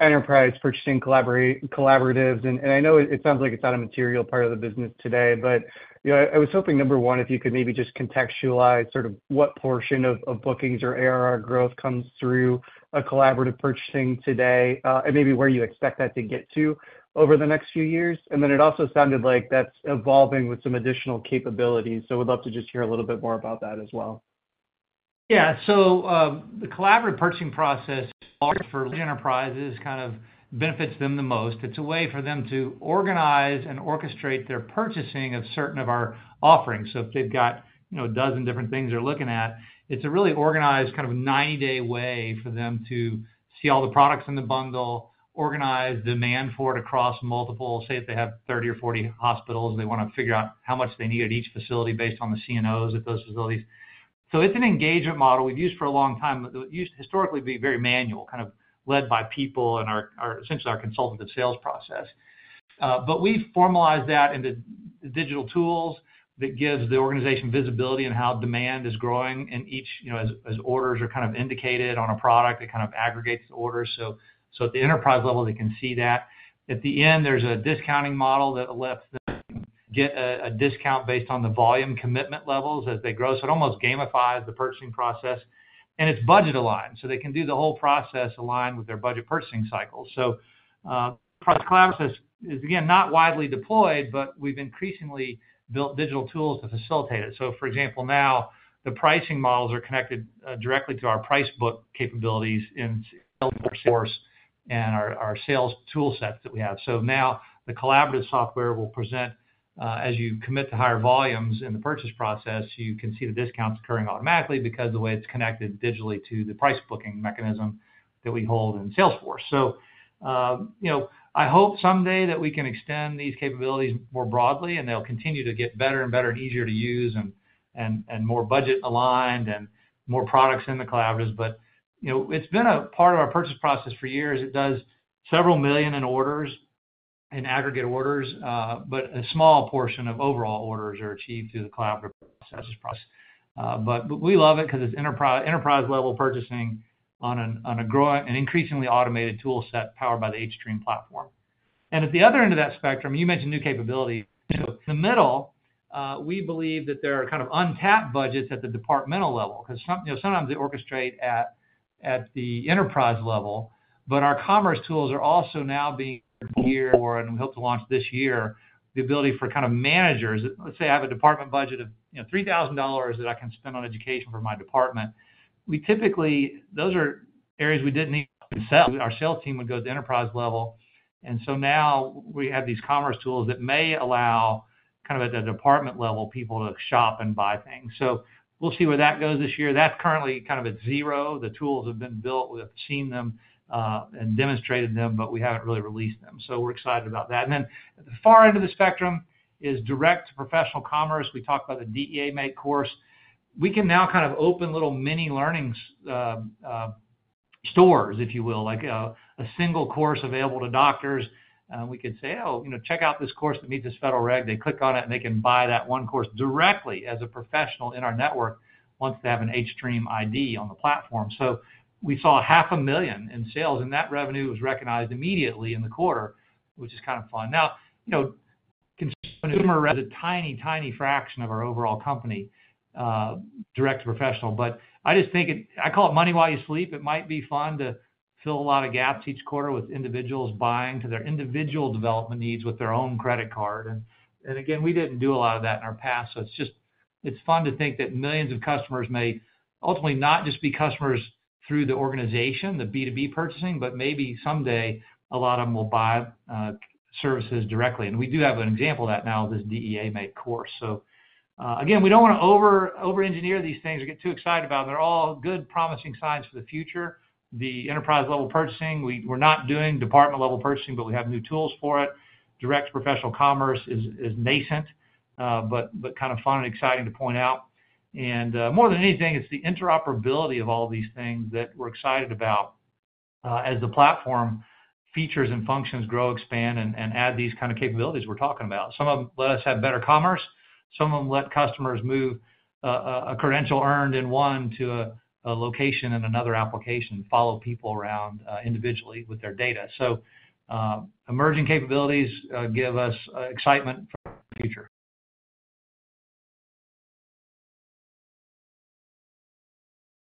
Speaker 6: enterprise purchasing collaboratives. And I know it sounds like it's not a material part of the business today, but I was hoping, number one, if you could maybe just contextualize sort of what portion of bookings or ARR growth comes through a collaborative purchasing today and maybe where you expect that to get to over the next few years. And then it also sounded like that's evolving with some additional capabilities, so we'd love to just hear a little bit more about that as well.
Speaker 3: Yeah. So the collaborative purchasing process, for large enterprises, kind of benefits them the most. It's a way for them to organize and orchestrate their purchasing of certain of our offerings. So if they've got a dozen different things they're looking at, it's a really organized kind of 90-day way for them to see all the products in the bundle, organize demand for it across multiple say that they have 30 or 40 hospitals, and they want to figure out how much they need at each facility based on the CNOs at those facilities. So it's an engagement model we've used for a long time that would historically be very manual, kind of led by people and essentially our consultative sales process. But we've formalized that into digital tools that gives the organization visibility in how demand is growing in each as orders are kind of indicated on a product. It kind of aggregates the orders so at the enterprise level, they can see that. At the end, there's a discounting model that lets them get a discount based on the volume commitment levels as they grow. So it almost gamifies the purchasing process. And it's budget-aligned, so they can do the whole process aligned with their budget purchasing cycles. So the enterprise collaborative process is, again, not widely deployed, but we've increasingly built digital tools to facilitate it. So for example, now, the pricing models are connected directly to our price book capabilities in Salesforce and our sales toolsets that we have. So now, the collaborative software will present as you commit to higher volumes in the purchase process, you can see the discounts occurring automatically because of the way it's connected digitally to the price booking mechanism that we hold in Salesforce. So I hope someday that we can extend these capabilities more broadly, and they'll continue to get better and better and easier to use and more budget-aligned and more products in the collaboratives. But it's been a part of our purchase process for years. It does $several million in orders, in aggregate orders, but a small portion of overall orders are achieved through the collaborative process. But we love it because it's enterprise-level purchasing on an increasingly automated toolset powered by the hStream platform. And at the other end of that spectrum, you mentioned new capabilities. So in the middle, we believe that there are kind of untapped budgets at the departmental level because sometimes they orchestrate at the enterprise level. But our commerce tools are also now being geared for, and we hope to launch this year, the ability for kind of managers let's say I have a department budget of $3,000 that I can spend on education for my department. Those are areas we didn't need to sell. Our sales team would go to the enterprise level. And so now, we have these commerce tools that may allow kind of at the department level, people to shop and buy things. So we'll see where that goes this year. That's currently kind of at zero. The tools have been built. We have seen them and demonstrated them, but we haven't really released them. So we're excited about that. And then at the far end of the spectrum is direct to professional commerce. We talked about the DEA MATE course. We can now kind of open little mini learning stores, if you will, like a single course available to doctors. We could say, "Oh, check out this course that meets this federal reg. " They click on it, and they can buy that one course directly as a professional in our network once they have an hStream ID on the platform. So we saw $500,000 in sales, and that revenue was recognized immediately in the quarter, which is kind of fun. Now, consumer is a tiny, tiny fraction of our overall company, direct to professional. But I just think it. I call it money while you sleep. It might be fun to fill a lot of gaps each quarter with individuals buying to their individual development needs with their own credit card. Again, we didn't do a lot of that in our past, so it's fun to think that millions of customers may ultimately not just be customers through the organization, the B2B purchasing, but maybe someday, a lot of them will buy services directly. We do have an example of that now with this DEA MATE course. Again, we don't want to over-engineer these things or get too excited about them. They're all good, promising signs for the future. The enterprise-level purchasing, we're not doing department-level purchasing, but we have new tools for it. Direct to professional commerce is nascent but kind of fun and exciting to point out. And more than anything, it's the interoperability of all these things that we're excited about as the platform features and functions grow, expand, and add these kind of capabilities we're talking about. Some of them let us have better commerce. Some of them let customers move a credential earned in one to a location in another application and follow people around individually with their data. So emerging capabilities give us excitement for the future.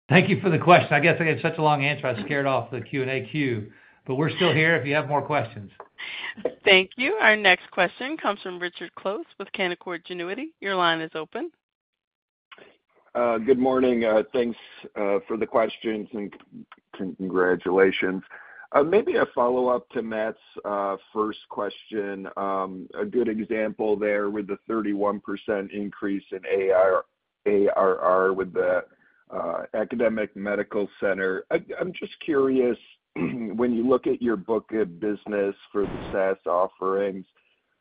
Speaker 6: Thank you for the question. I guess I gave such a long answer, I scared off the Q&A queue. But we're still here if you have more questions.
Speaker 1: Thank you. Our next question comes from Richard Close with Canaccord Genuity. Your line is open.
Speaker 7: Good morning. Thanks for the questions and congratulations. Maybe a follow-up to Matt's first question. A good example there with the 31% increase in ARR with the Academic Medical Center. I'm just curious, when you look at your book of business for the SaaS offerings,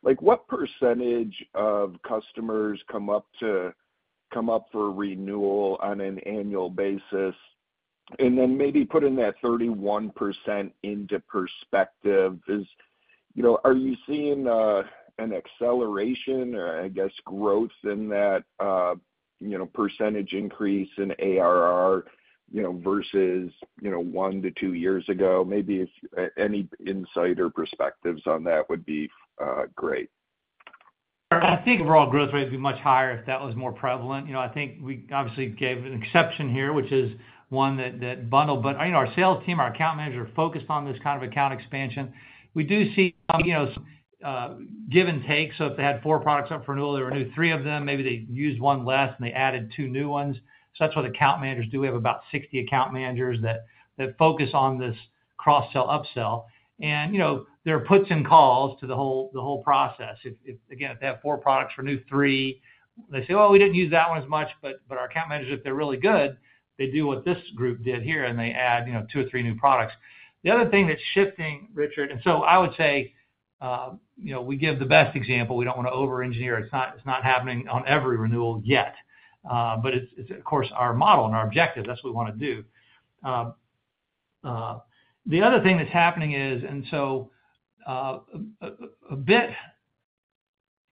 Speaker 7: what percentage of customers come up for renewal on an annual basis? Then maybe put that 31% into perspective. Are you seeing an acceleration or, I guess, growth in that percentage increase in ARR versus 1-2 years ago? Maybe any insight or perspectives on that would be great.
Speaker 3: I think overall growth rates would be much higher if that was more prevalent. I think we obviously gave an exception here, which is one that bundled. But our sales team, our account manager, are focused on this kind of account expansion. We do see some give and take. So if they had 4 products up for renewal, they renewed 3 of them. Maybe they used 1 less, and they added 2 new ones. So that's what account managers do. We have about 60 account managers that focus on this cross-sell upsell. There are puts and calls to the whole process. Again, if they have 4 products, renew 3. They say, "Well, we didn't use that one as much," but our account managers, if they're really good, they do what this group did here, and they add 2 or 3 new products. The other thing that's shifting, Richard and so I would say we give the best example. We don't want to over-engineer. It's not happening on every renewal yet. But it's, of course, our model and our objective. That's what we want to do. The other thing that's happening is and so a bit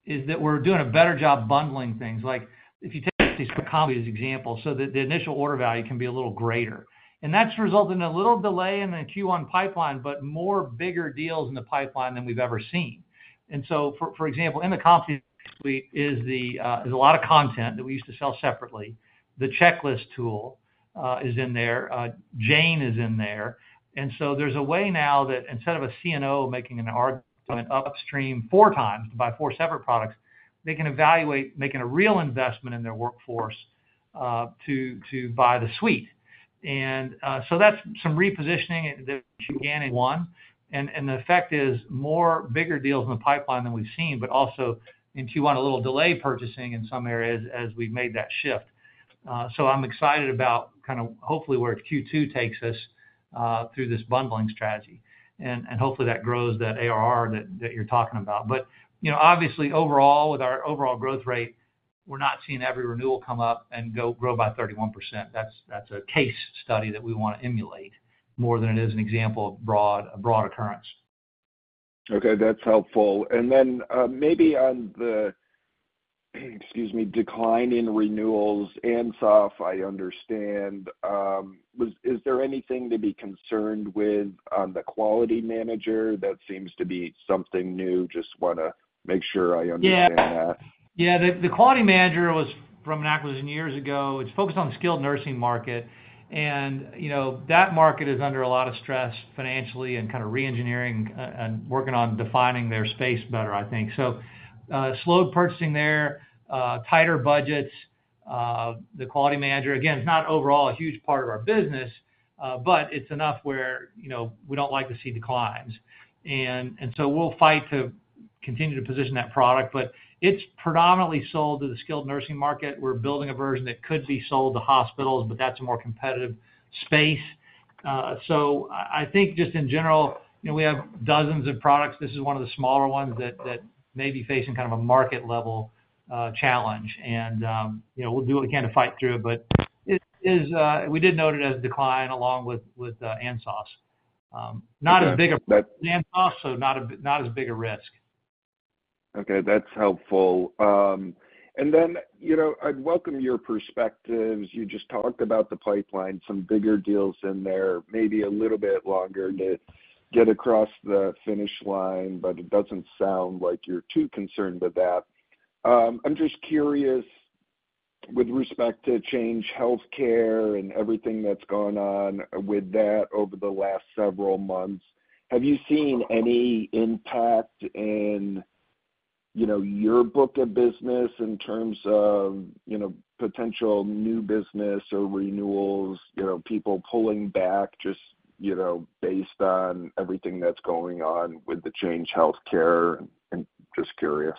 Speaker 3: is that we're doing a better job bundling things. If you take these companies as examples, so that the initial order value can be a little greater. That's resulted in a little delay in the Q1 pipeline, but more bigger deals in the pipeline than we've ever seen. And so for example, in the Competency Suite is a lot of content that we used to sell separately. The Checklist tool is in there. Jane is in there. And so there's a way now that instead of a CNO making an argument upstream four times to buy four separate products, they can evaluate making a real investment in their workforce to buy the suite. And so that's some repositioning that began in Q1. And the effect is more bigger deals in the pipeline than we've seen, but also in Q1, a little delayed purchasing in some areas as we've made that shift. So I'm excited about kind of hopefully where Q2 takes us through this bundling strategy. And hopefully, that grows that ARR that you're talking about. But obviously, overall, with our overall growth rate, we're not seeing every renewal come up and grow by 31%. That's a case study that we want to emulate more than it is an example of a broad occurrence.
Speaker 7: Okay. That's helpful. And then maybe on the, excuse me, decline in renewals, ANSOS, I understand. Is there anything to be concerned with on the Quality Manager? That seems to be something new. Just want to make sure I understand that.
Speaker 3: Yeah. The Quality Manager was from an acquisition years ago. It's focused on the skilled nursing market. And that market is under a lot of stress financially and kind of re-engineering and working on defining their space better, I think. So slowed purchasing there, tighter budgets. The Quality Manager, again, it's not overall a huge part of our business, but it's enough where we don't like to see declines. And so we'll fight to continue to position that product. But it's predominantly sold to the skilled nursing market. We're building a version that could be sold to hospitals, but that's a more competitive space. So I think just in general, we have dozens of products. This is one of the smaller ones that may be facing kind of a market-level challenge. And we'll do what we can to fight through it. But we did note it as a decline along with ANSOS. Not as big a risk as ANSOS, so not as big a risk.
Speaker 7: Okay. That's helpful. And then I'd welcome your perspectives. You just talked about the pipeline, some bigger deals in there, maybe a little bit longer to get across the finish line, but it doesn't sound like you're too concerned with that. I'm just curious, with respect to Change Healthcare and everything that's gone on with that over the last several months, have you seen any impact in your book of business in terms of potential new business or renewals, people pulling back just based on everything that's going on with the Change Healthcare? I'm just curious.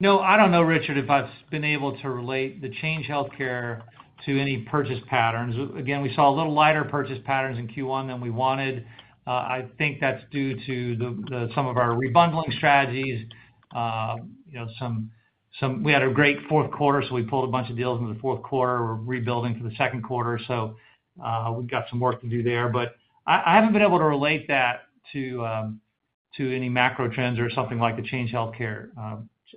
Speaker 3: No. I don't know, Richard, if I've been able to relate the Change Healthcare to any purchase patterns. Again, we saw a little lighter purchase patterns in Q1 than we wanted. I think that's due to some of our rebundling strategies. We had a great fourth quarter, so we pulled a bunch of deals in the fourth quarter. We're rebuilding for the second quarter, so we've got some work to do there. But I haven't been able to relate that to any macro trends or something like the Change Healthcare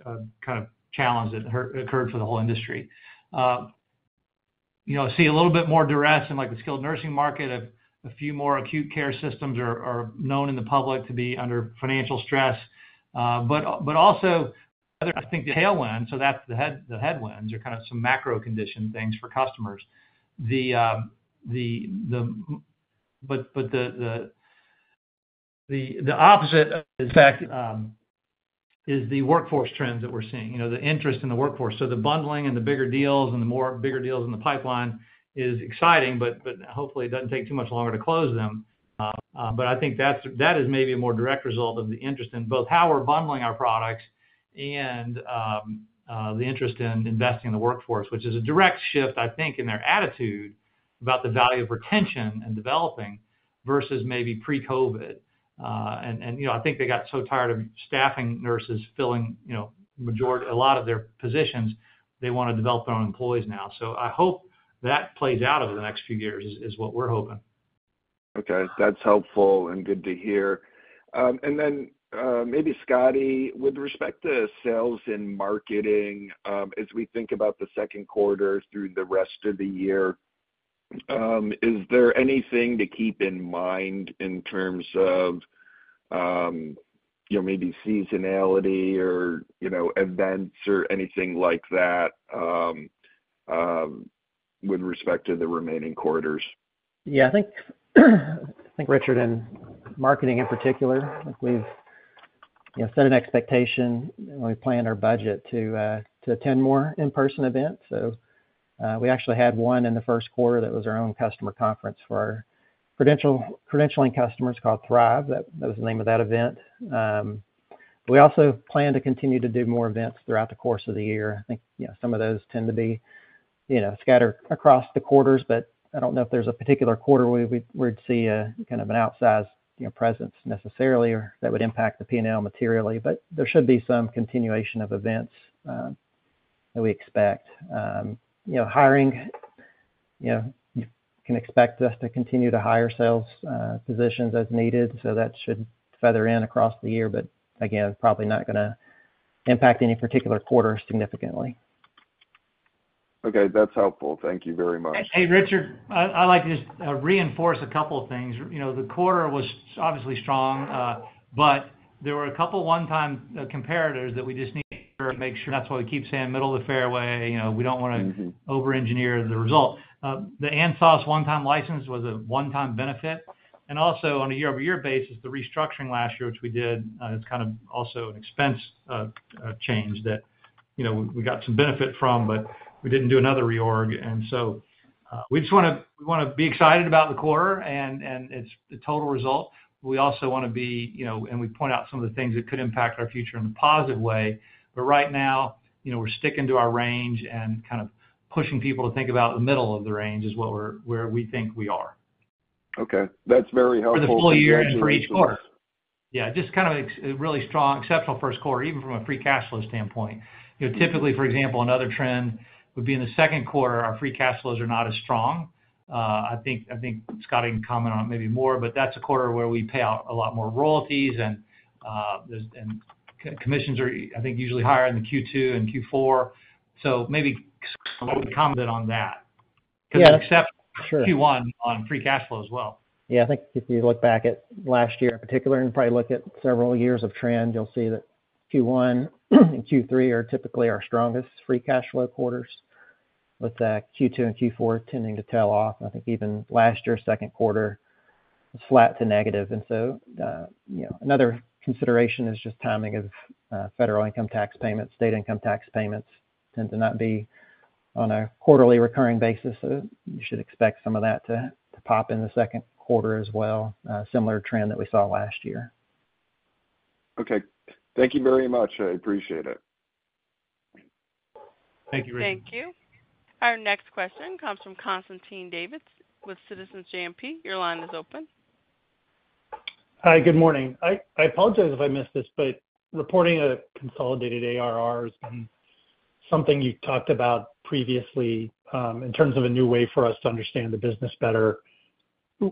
Speaker 3: kind of challenge that occurred for the whole industry. I see a little bit more duress in the skilled nursing market. A few more acute care systems are known in the public to be under financial stress. But also, I think the tailwinds so that's the headwinds are kind of some macro condition things for customers. But the opposite of the fact is the workforce trends that we're seeing, the interest in the workforce. So the bundling and the bigger deals and the bigger deals in the pipeline is exciting, but hopefully, it doesn't take too much longer to close them. But I think that is maybe a more direct result of the interest in both how we're bundling our products and the interest in investing in the workforce, which is a direct shift, I think, in their attitude about the value of retention and developing versus maybe pre-COVID. And I think they got so tired of staffing nurses filling a lot of their positions; they want to develop their own employees now. So I hope that plays out over the next few years is what we're hoping.
Speaker 7: Okay. That's helpful and good to hear. And then maybe, Scotty, with respect to sales and marketing, as we think about the second quarter through the rest of the year, is there anything to keep in mind in terms of maybe seasonality or events or anything like that with respect to the remaining quarters?
Speaker 4: Yeah. I think, Richard, and marketing in particular, we've set an expectation when we plan our budget to attend more in-person events. So we actually had one in the first quarter that was our own customer conference for our credentialing customers called Thrive. That was the name of that event. We also plan to continue to do more events throughout the course of the year. I think some of those tend to be scattered across the quarters, but I don't know if there's a particular quarter where we'd see kind of an outsized presence necessarily or that would impact the P&L materially. But there should be some continuation of events that we expect. Hiring, you can expect us to continue to hire sales positions as needed, so that should feather in across the year. But again, probably not going to impact any particular quarter significantly.
Speaker 7: Okay. That's helpful. Thank you very much.
Speaker 3: Hey, Richard, I'd like to just reinforce a couple of things. The quarter was obviously strong, but there were a couple of one-time comparators that we just need to make sure that's why we keep saying middle of the fairway. We don't want to over-engineer the result. The ANSOS one-time license was a one-time benefit. And also, on a year-over-year basis, the restructuring last year, which we did, it's kind of also an expense change that we got some benefit from, but we didn't do another reorg. And so we just want to we want to be excited about the quarter and the total result. We also want to be and we point out some of the things that could impact our future in a positive way. But right now, we're sticking to our range and kind of pushing people to think about the middle of the range is where we think we are.
Speaker 7: Okay. That's very helpful.
Speaker 3: For the full year and for each quarter. Yeah. Just kind of a really strong, exceptional first quarter, even from a free cash flow standpoint. Typically, for example, another trend would be in the second quarter, our free cash flows are not as strong. I think Scotty can comment on it maybe more, but that's a quarter where we pay out a lot more royalties, and commissions are, I think, usually higher in the Q2 and Q4. So maybe Scotty can comment on that because it's exceptional Q1 on free cash flow as well.
Speaker 4: Yeah. I think if you look back at last year in particular and probably look at several years of trend, you'll see that Q1 and Q3 typically are strongest free cash flow quarters, with Q2 and Q4 tending to tail off. I think even last year's second quarter was flat to negative. And so another consideration is just timing of federal income tax payments. State income tax payments tend to not be on a quarterly recurring basis, so you should expect some of that to pop in the second quarter as well, similar trend that we saw last year.
Speaker 7: Okay. Thank you very much. I appreciate it.
Speaker 4: Thank you, Richard.
Speaker 1: Thank you. Our next question comes from Constantine Davides with Citizens JMP. Your line is open.
Speaker 8: Hi. Good morning. I apologize if I missed this, but reporting a consolidated ARR has been something you talked about previously in terms of a new way for us to understand the business better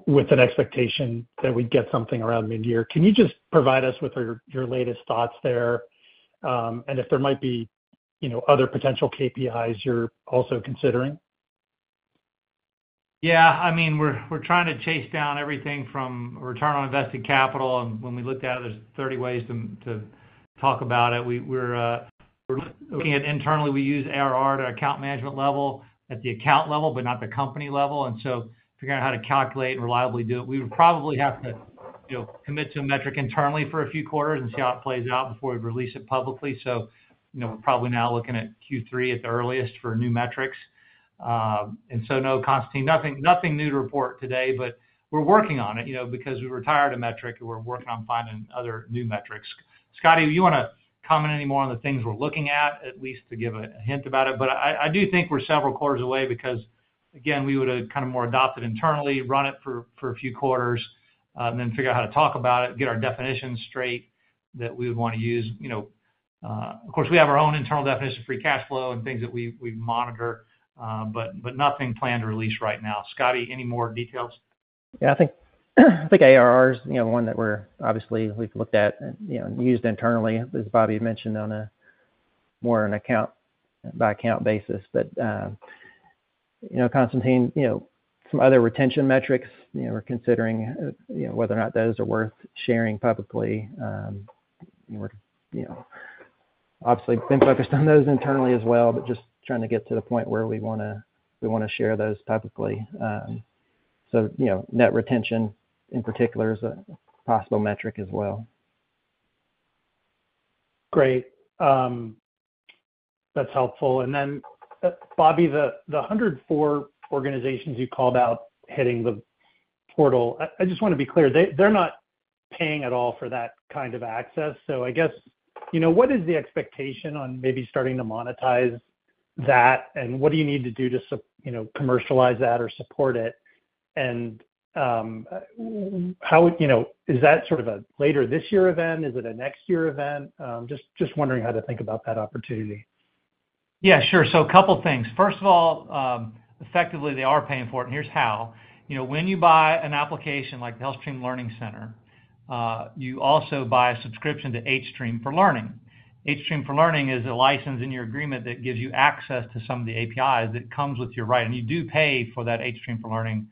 Speaker 8: with an expectation that we'd get something around mid-year. Can you just provide us with your latest thoughts there and if there might be other potential KPIs you're also considering?
Speaker 3: Yeah. I mean, we're trying to chase down everything from return on invested capital. And when we looked at it, there's 30 ways to talk about it. Looking at internally, we use ARR at our account management level, at the account level, but not the company level. And so figuring out how to calculate and reliably do it. We would probably have to commit to a metric internally for a few quarters and see how it plays out before we release it publicly. So we're probably now looking at Q3 at the earliest for new metrics. So no, Constantine, nothing new to report today, but we're working on it because we retired a metric, and we're working on finding other new metrics. Scotty, do you want to comment any more on the things we're looking at, at least to give a hint about it? But I do think we're several quarters away because, again, we would have kind of more adopted internally, run it for a few quarters, and then figure out how to talk about it, get our definitions straight that we would want to use. Of course, we have our own internal definition of free cash flow and things that we monitor, but nothing planned to release right now. Scotty, any more details?
Speaker 4: Yeah. I think ARR is one that we're obviously, we've looked at and used internally, as Bobby mentioned, on more of an account-by-account basis. But Constantine, some other retention metrics, we're considering whether or not those are worth sharing publicly. We've obviously been focused on those internally as well, but just trying to get to the point where we want to share those publicly. So net retention in particular is a possible metric as well.
Speaker 8: Great. That's helpful. And then, Bobby, the 104 organizations you called out hitting the portal, I just want to be clear. They're not paying at all for that kind of access. So I guess, what is the expectation on maybe starting to monetize that, and what do you need to do to commercialize that or support it? And is that sort of a later this year event? Is it a next year event? Just wondering how to think about that opportunity.
Speaker 3: Yeah. Sure. So a couple of things. First of all, effectively, they are paying for it, and here's how. When you buy an application like the HealthStream Learning Center, you also buy a subscription to hStream for Learning. HStream for Learning is a license in your agreement that gives you access to some of the APIs that comes with your right. And you do pay for that hStream for Learning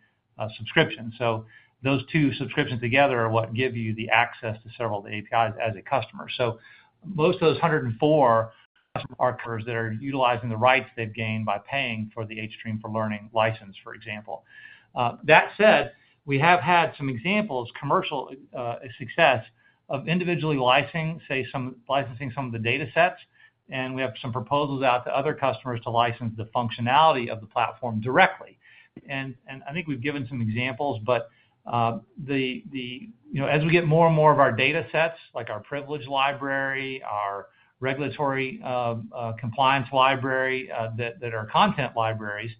Speaker 3: subscription. So those two subscriptions together are what give you the access to several of the APIs as a customer. So most of those 104 are customers that are utilizing the rights they've gained by paying for the hStream for Learning license, for example. That said, we have had some examples, commercial success, of individually licensing, say, some of the datasets. We have some proposals out to other customers to license the functionality of the platform directly. I think we've given some examples, but as we get more and more of our datasets, like our Privilege Library, our Regulatory Compliance Library that are content libraries,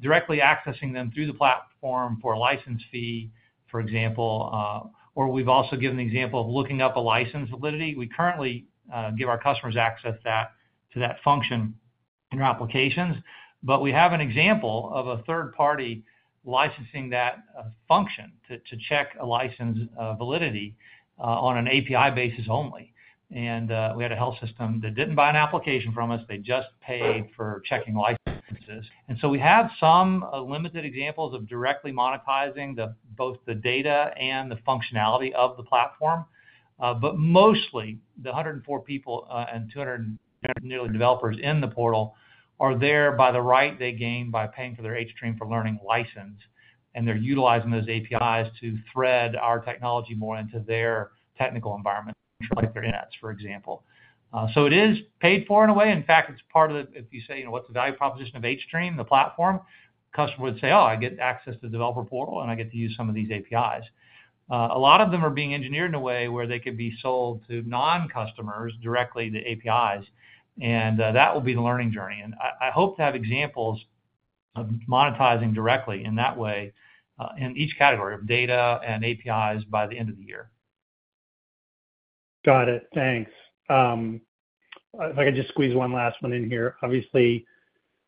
Speaker 3: directly accessing them through the platform for a license fee, for example. Or we've also given the example of looking up a license validity. We currently give our customers access to that function in our applications, but we have an example of a third party licensing that function to check a license validity on an API basis only. We had a health system that didn't buy an application from us. They just paid for checking licenses. So we have some limited examples of directly monetizing both the data and the functionality of the platform. But mostly, the 104 people and nearly 200 developers in the portal are there by the rights they gain by paying for their hStream for Learning license, and they're utilizing those APIs to thread our technology more into their technical environment, like their intranets, for example. So it is paid for in a way. In fact, it's part of the if you say, "What's the value proposition of hStream, the platform?" a customer would say, "Oh, I get access to the developer portal, and I get to use some of these APIs." A lot of them are being engineered in a way where they could be sold to non-customers directly, the APIs. And that will be the learning journey. And I hope to have examples of monetizing directly in that way in each category of data and APIs by the end of the year.
Speaker 8: Got it. Thanks. If I could just squeeze one last one in here. Obviously,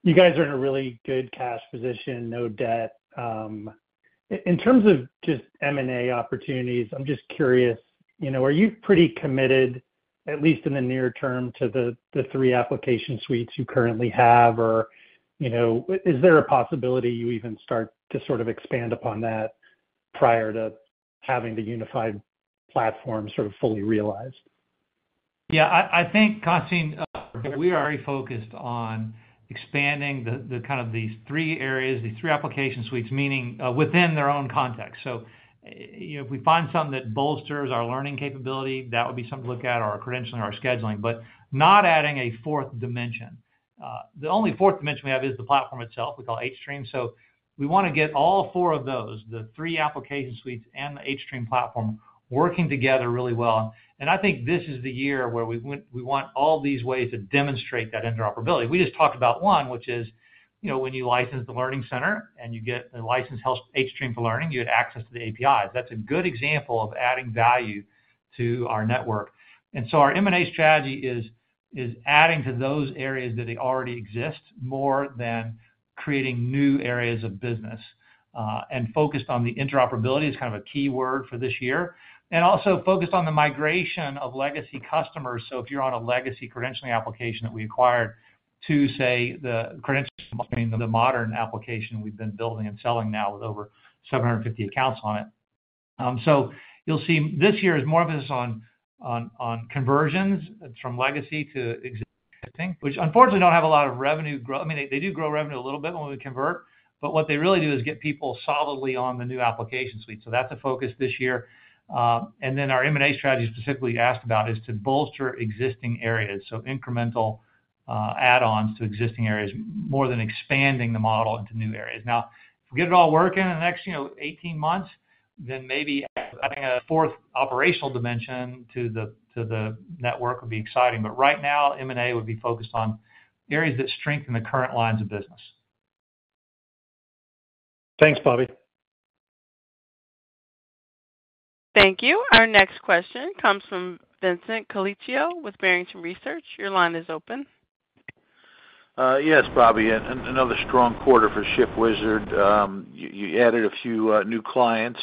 Speaker 8: you guys are in a really good cash position, no debt. In terms of just M&A opportunities, I'm just curious, are you pretty committed, at least in the near term, to the three application suites you currently have? Or is there a possibility you even start to sort of expand upon that prior to having the unified platform sort of fully realized?
Speaker 3: Yeah. I think, Constantine, we are very focused on expanding kind of these three areas, these three application suites, meaning within their own context. So if we find something that bolsters our learning capability, that would be something to look at, or credentialing or our scheduling, but not adding a fourth dimension. The only fourth dimension we have is the platform itself. We call it hStream. So we want to get all four of those, the three application suites and the hStream platform, working together really well. And I think this is the year where we want all these ways to demonstrate that interoperability. We just talked about one, which is when you license the Learning Center and you get the license hStream for Learning, you get access to the APIs. That's a good example of adding value to our network. And so our M&A strategy is adding to those areas that already exist more than creating new areas of business. And focused on the interoperability is kind of a key word for this year. And also focused on the migration of legacy customers. So if you're on a legacy credentialing application that we acquired to, say, the credentialing between the modern application we've been building and selling now with over 750 accounts on it. So you'll see this year is more emphasis on conversions from legacy to existing, which unfortunately don't have a lot of revenue growth. I mean, they do grow revenue a little bit when we convert, but what they really do is get people solidly on the new application suite. So that's a focus this year. And then our M&A strategy specifically asked about is to bolster existing areas, so incremental add-ons to existing areas, more than expanding the model into new areas. Now, if we get it all working in the next 18 months, then maybe adding a fourth operational dimension to the network would be exciting. But right now, M&A would be focused on areas that strengthen the current lines of business.
Speaker 8: Thanks, Bobby.
Speaker 1: Thank you. Our next question comes from Vincent Colicchio with Barrington Research. Your line is open.
Speaker 9: Yes, Bobby. Another strong quarter for ShiftWizard. You added a few new clients.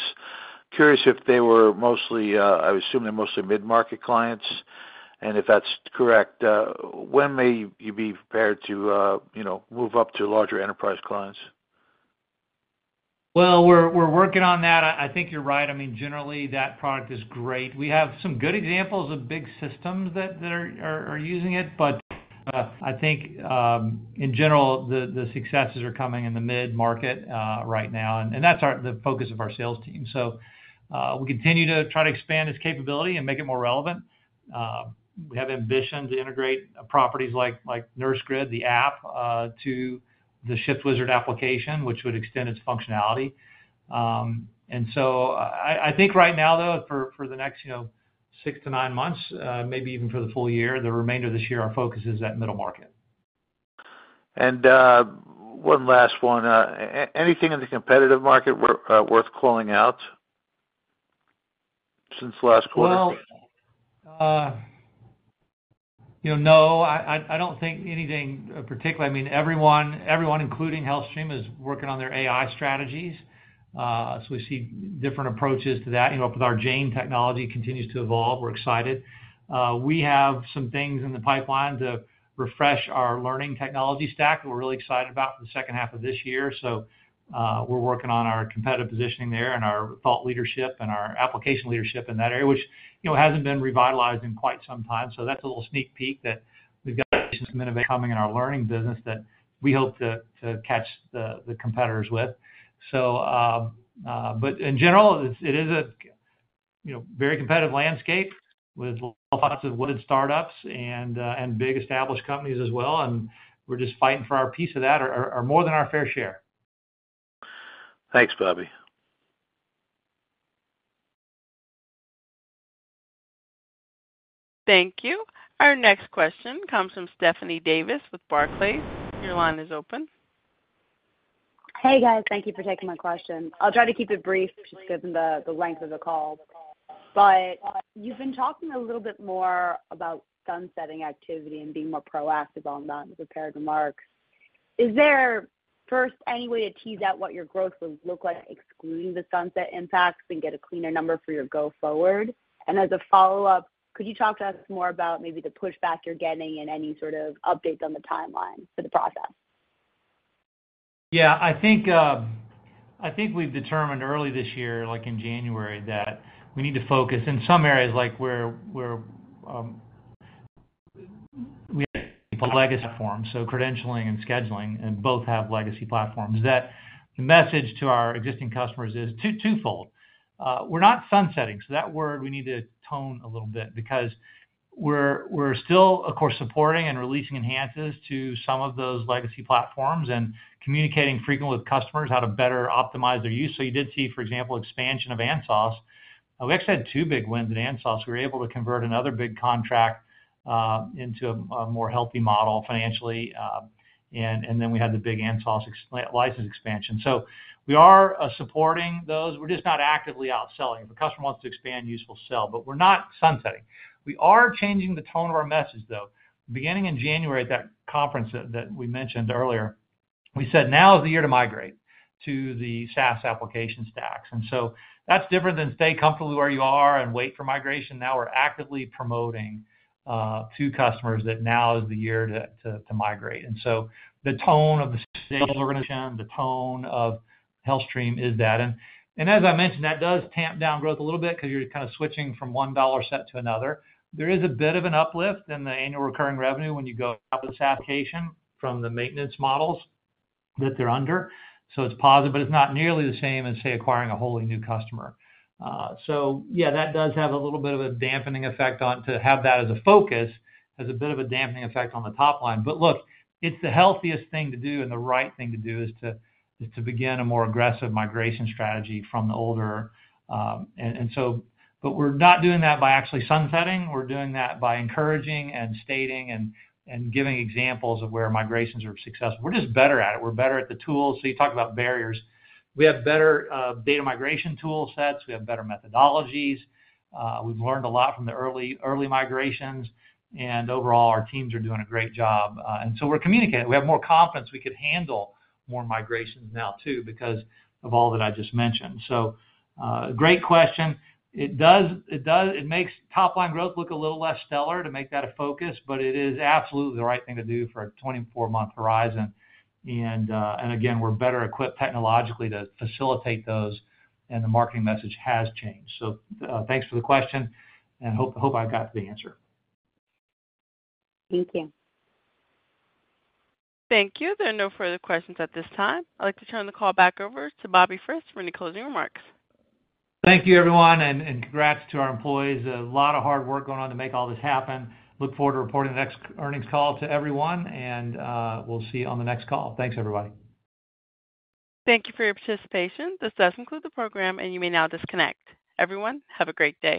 Speaker 9: Curious if they were mostly—I assume they're mostly mid-market clients—and if that's correct, when may you be prepared to move up to larger enterprise clients?
Speaker 3: Well, we're working on that. I think you're right. I mean, generally, that product is great. We have some good examples of big systems that are using it, but I think, in general, the successes are coming in the mid-market right now, and that's the focus of our sales team. So we continue to try to expand its capability and make it more relevant. We have ambition to integrate properties like NurseGrid, the app, to the ShiftWizard application, which would extend its functionality. And so I think right now, though, for the next 6-9 months, maybe even for the full year, the remainder of this year, our focus is that middle market.
Speaker 9: And one last one. Anything in the competitive market worth calling out since last quarter?
Speaker 3: Well, no. I don't think anything particularly. I mean, everyone, including HealthStream, is working on their AI strategies. So we see different approaches to that. With our Jane technology, it continues to evolve. We're excited. We have some things in the pipeline to refresh our learning technology stack that we're really excited about for the second half of this year. So we're working on our competitive positioning there and our thought leadership and our application leadership in that area, which hasn't been revitalized in quite some time. So that's a little sneak peek that we've got some innovation coming in our learning business that we hope to catch the competitors with. But in general, it is a very competitive landscape with lots of funded
Speaker 9: Thanks, Bobby.
Speaker 1: Thank you. Our next question comes from Stephanie Davis with Barclays. Your line is open.
Speaker 10: Hey, guys. Thank you for taking my question. I'll try to keep it brief just given the length of the call. You've been talking a little bit more about sunsetting activity and being more proactive on that with prepared remarks. Is there, first, any way to tease out what your growth would look like excluding the sunset impacts and get a cleaner number for your go-forward? As a follow-up, could you talk to us more about maybe the pushback you're getting and any sort of updates on the timeline for the process?
Speaker 3: Yeah. I think we've determined early this year, like in January, that we need to focus in some areas where we have legacy platforms, so credentialing and scheduling, and both have legacy platforms, that the message to our existing customers is twofold. We're not sunsetting. So that word, we need to tone down a little bit because we're still, of course, supporting and releasing enhancements to some of those legacy platforms and communicating frequently with customers how to better optimize their use. So you did see, for example, expansion of ANSOS. We actually had two big wins at ANSOS. We were able to convert another big contract into a more healthy model financially, and then we had the big ANSOS license expansion. So we are supporting those. We're just not actively outselling. If a customer wants to expand, we'll sell. But we're not sunsetting. We are changing the tone of our message, though. Beginning in January, at that conference that we mentioned earlier, we said, "Now is the year to migrate to the SaaS application stacks." And so that's different than stay comfortably where you are and wait for migration. Now we're actively promoting to customers that now is the year to migrate. And so the tone of the sales organization, the tone of HealthStream is that. And as I mentioned, that does tamp down growth a little bit because you're kind of switching from one dollar set to another. There is a bit of an uplift in the annual recurring revenue when you go out with the SaaS application. From the maintenance models that they're under. So it's positive, but it's not nearly the same as, say, acquiring a wholly new customer. So yeah, that does have a little bit of a dampening effect on. To have that as a focus has a bit of a dampening effect on the top line. But look, it's the healthiest thing to do, and the right thing to do is to begin a more aggressive migration strategy from the older. But we're not doing that by actually sunsetting. We're doing that by encouraging and stating and giving examples of where migrations are successful. We're just better at it. We're better at the tools. So you talked about barriers. We have better data migration tool sets. We have better methodologies. We've learned a lot from the early migrations. And overall, our teams are doing a great job. And so we're communicating. We have more confidence we could handle more migrations now too because of all that I just mentioned. So great question. It makes top-line growth look a little less stellar to make that a focus, but it is absolutely the right thing to do for a 24-month horizon. And again, we're better equipped technologically to facilitate those, and the marketing message has changed. So thanks for the question, and hope I've got the answer.
Speaker 10: Thank you.
Speaker 1: Thank you. There are no further questions at this time. I'd like to turn the call back over to Bobby Frist for any closing remarks.
Speaker 3: Thank you, everyone, and congrats to our employees. A lot of hard work going on to make all this happen. Look forward to reporting the next earnings call to everyone, and we'll see you on the next call. Thanks, everybody.
Speaker 1: Thank you for your participation. This does conclude the program, and you may now disconnect. Everyone, have a great day.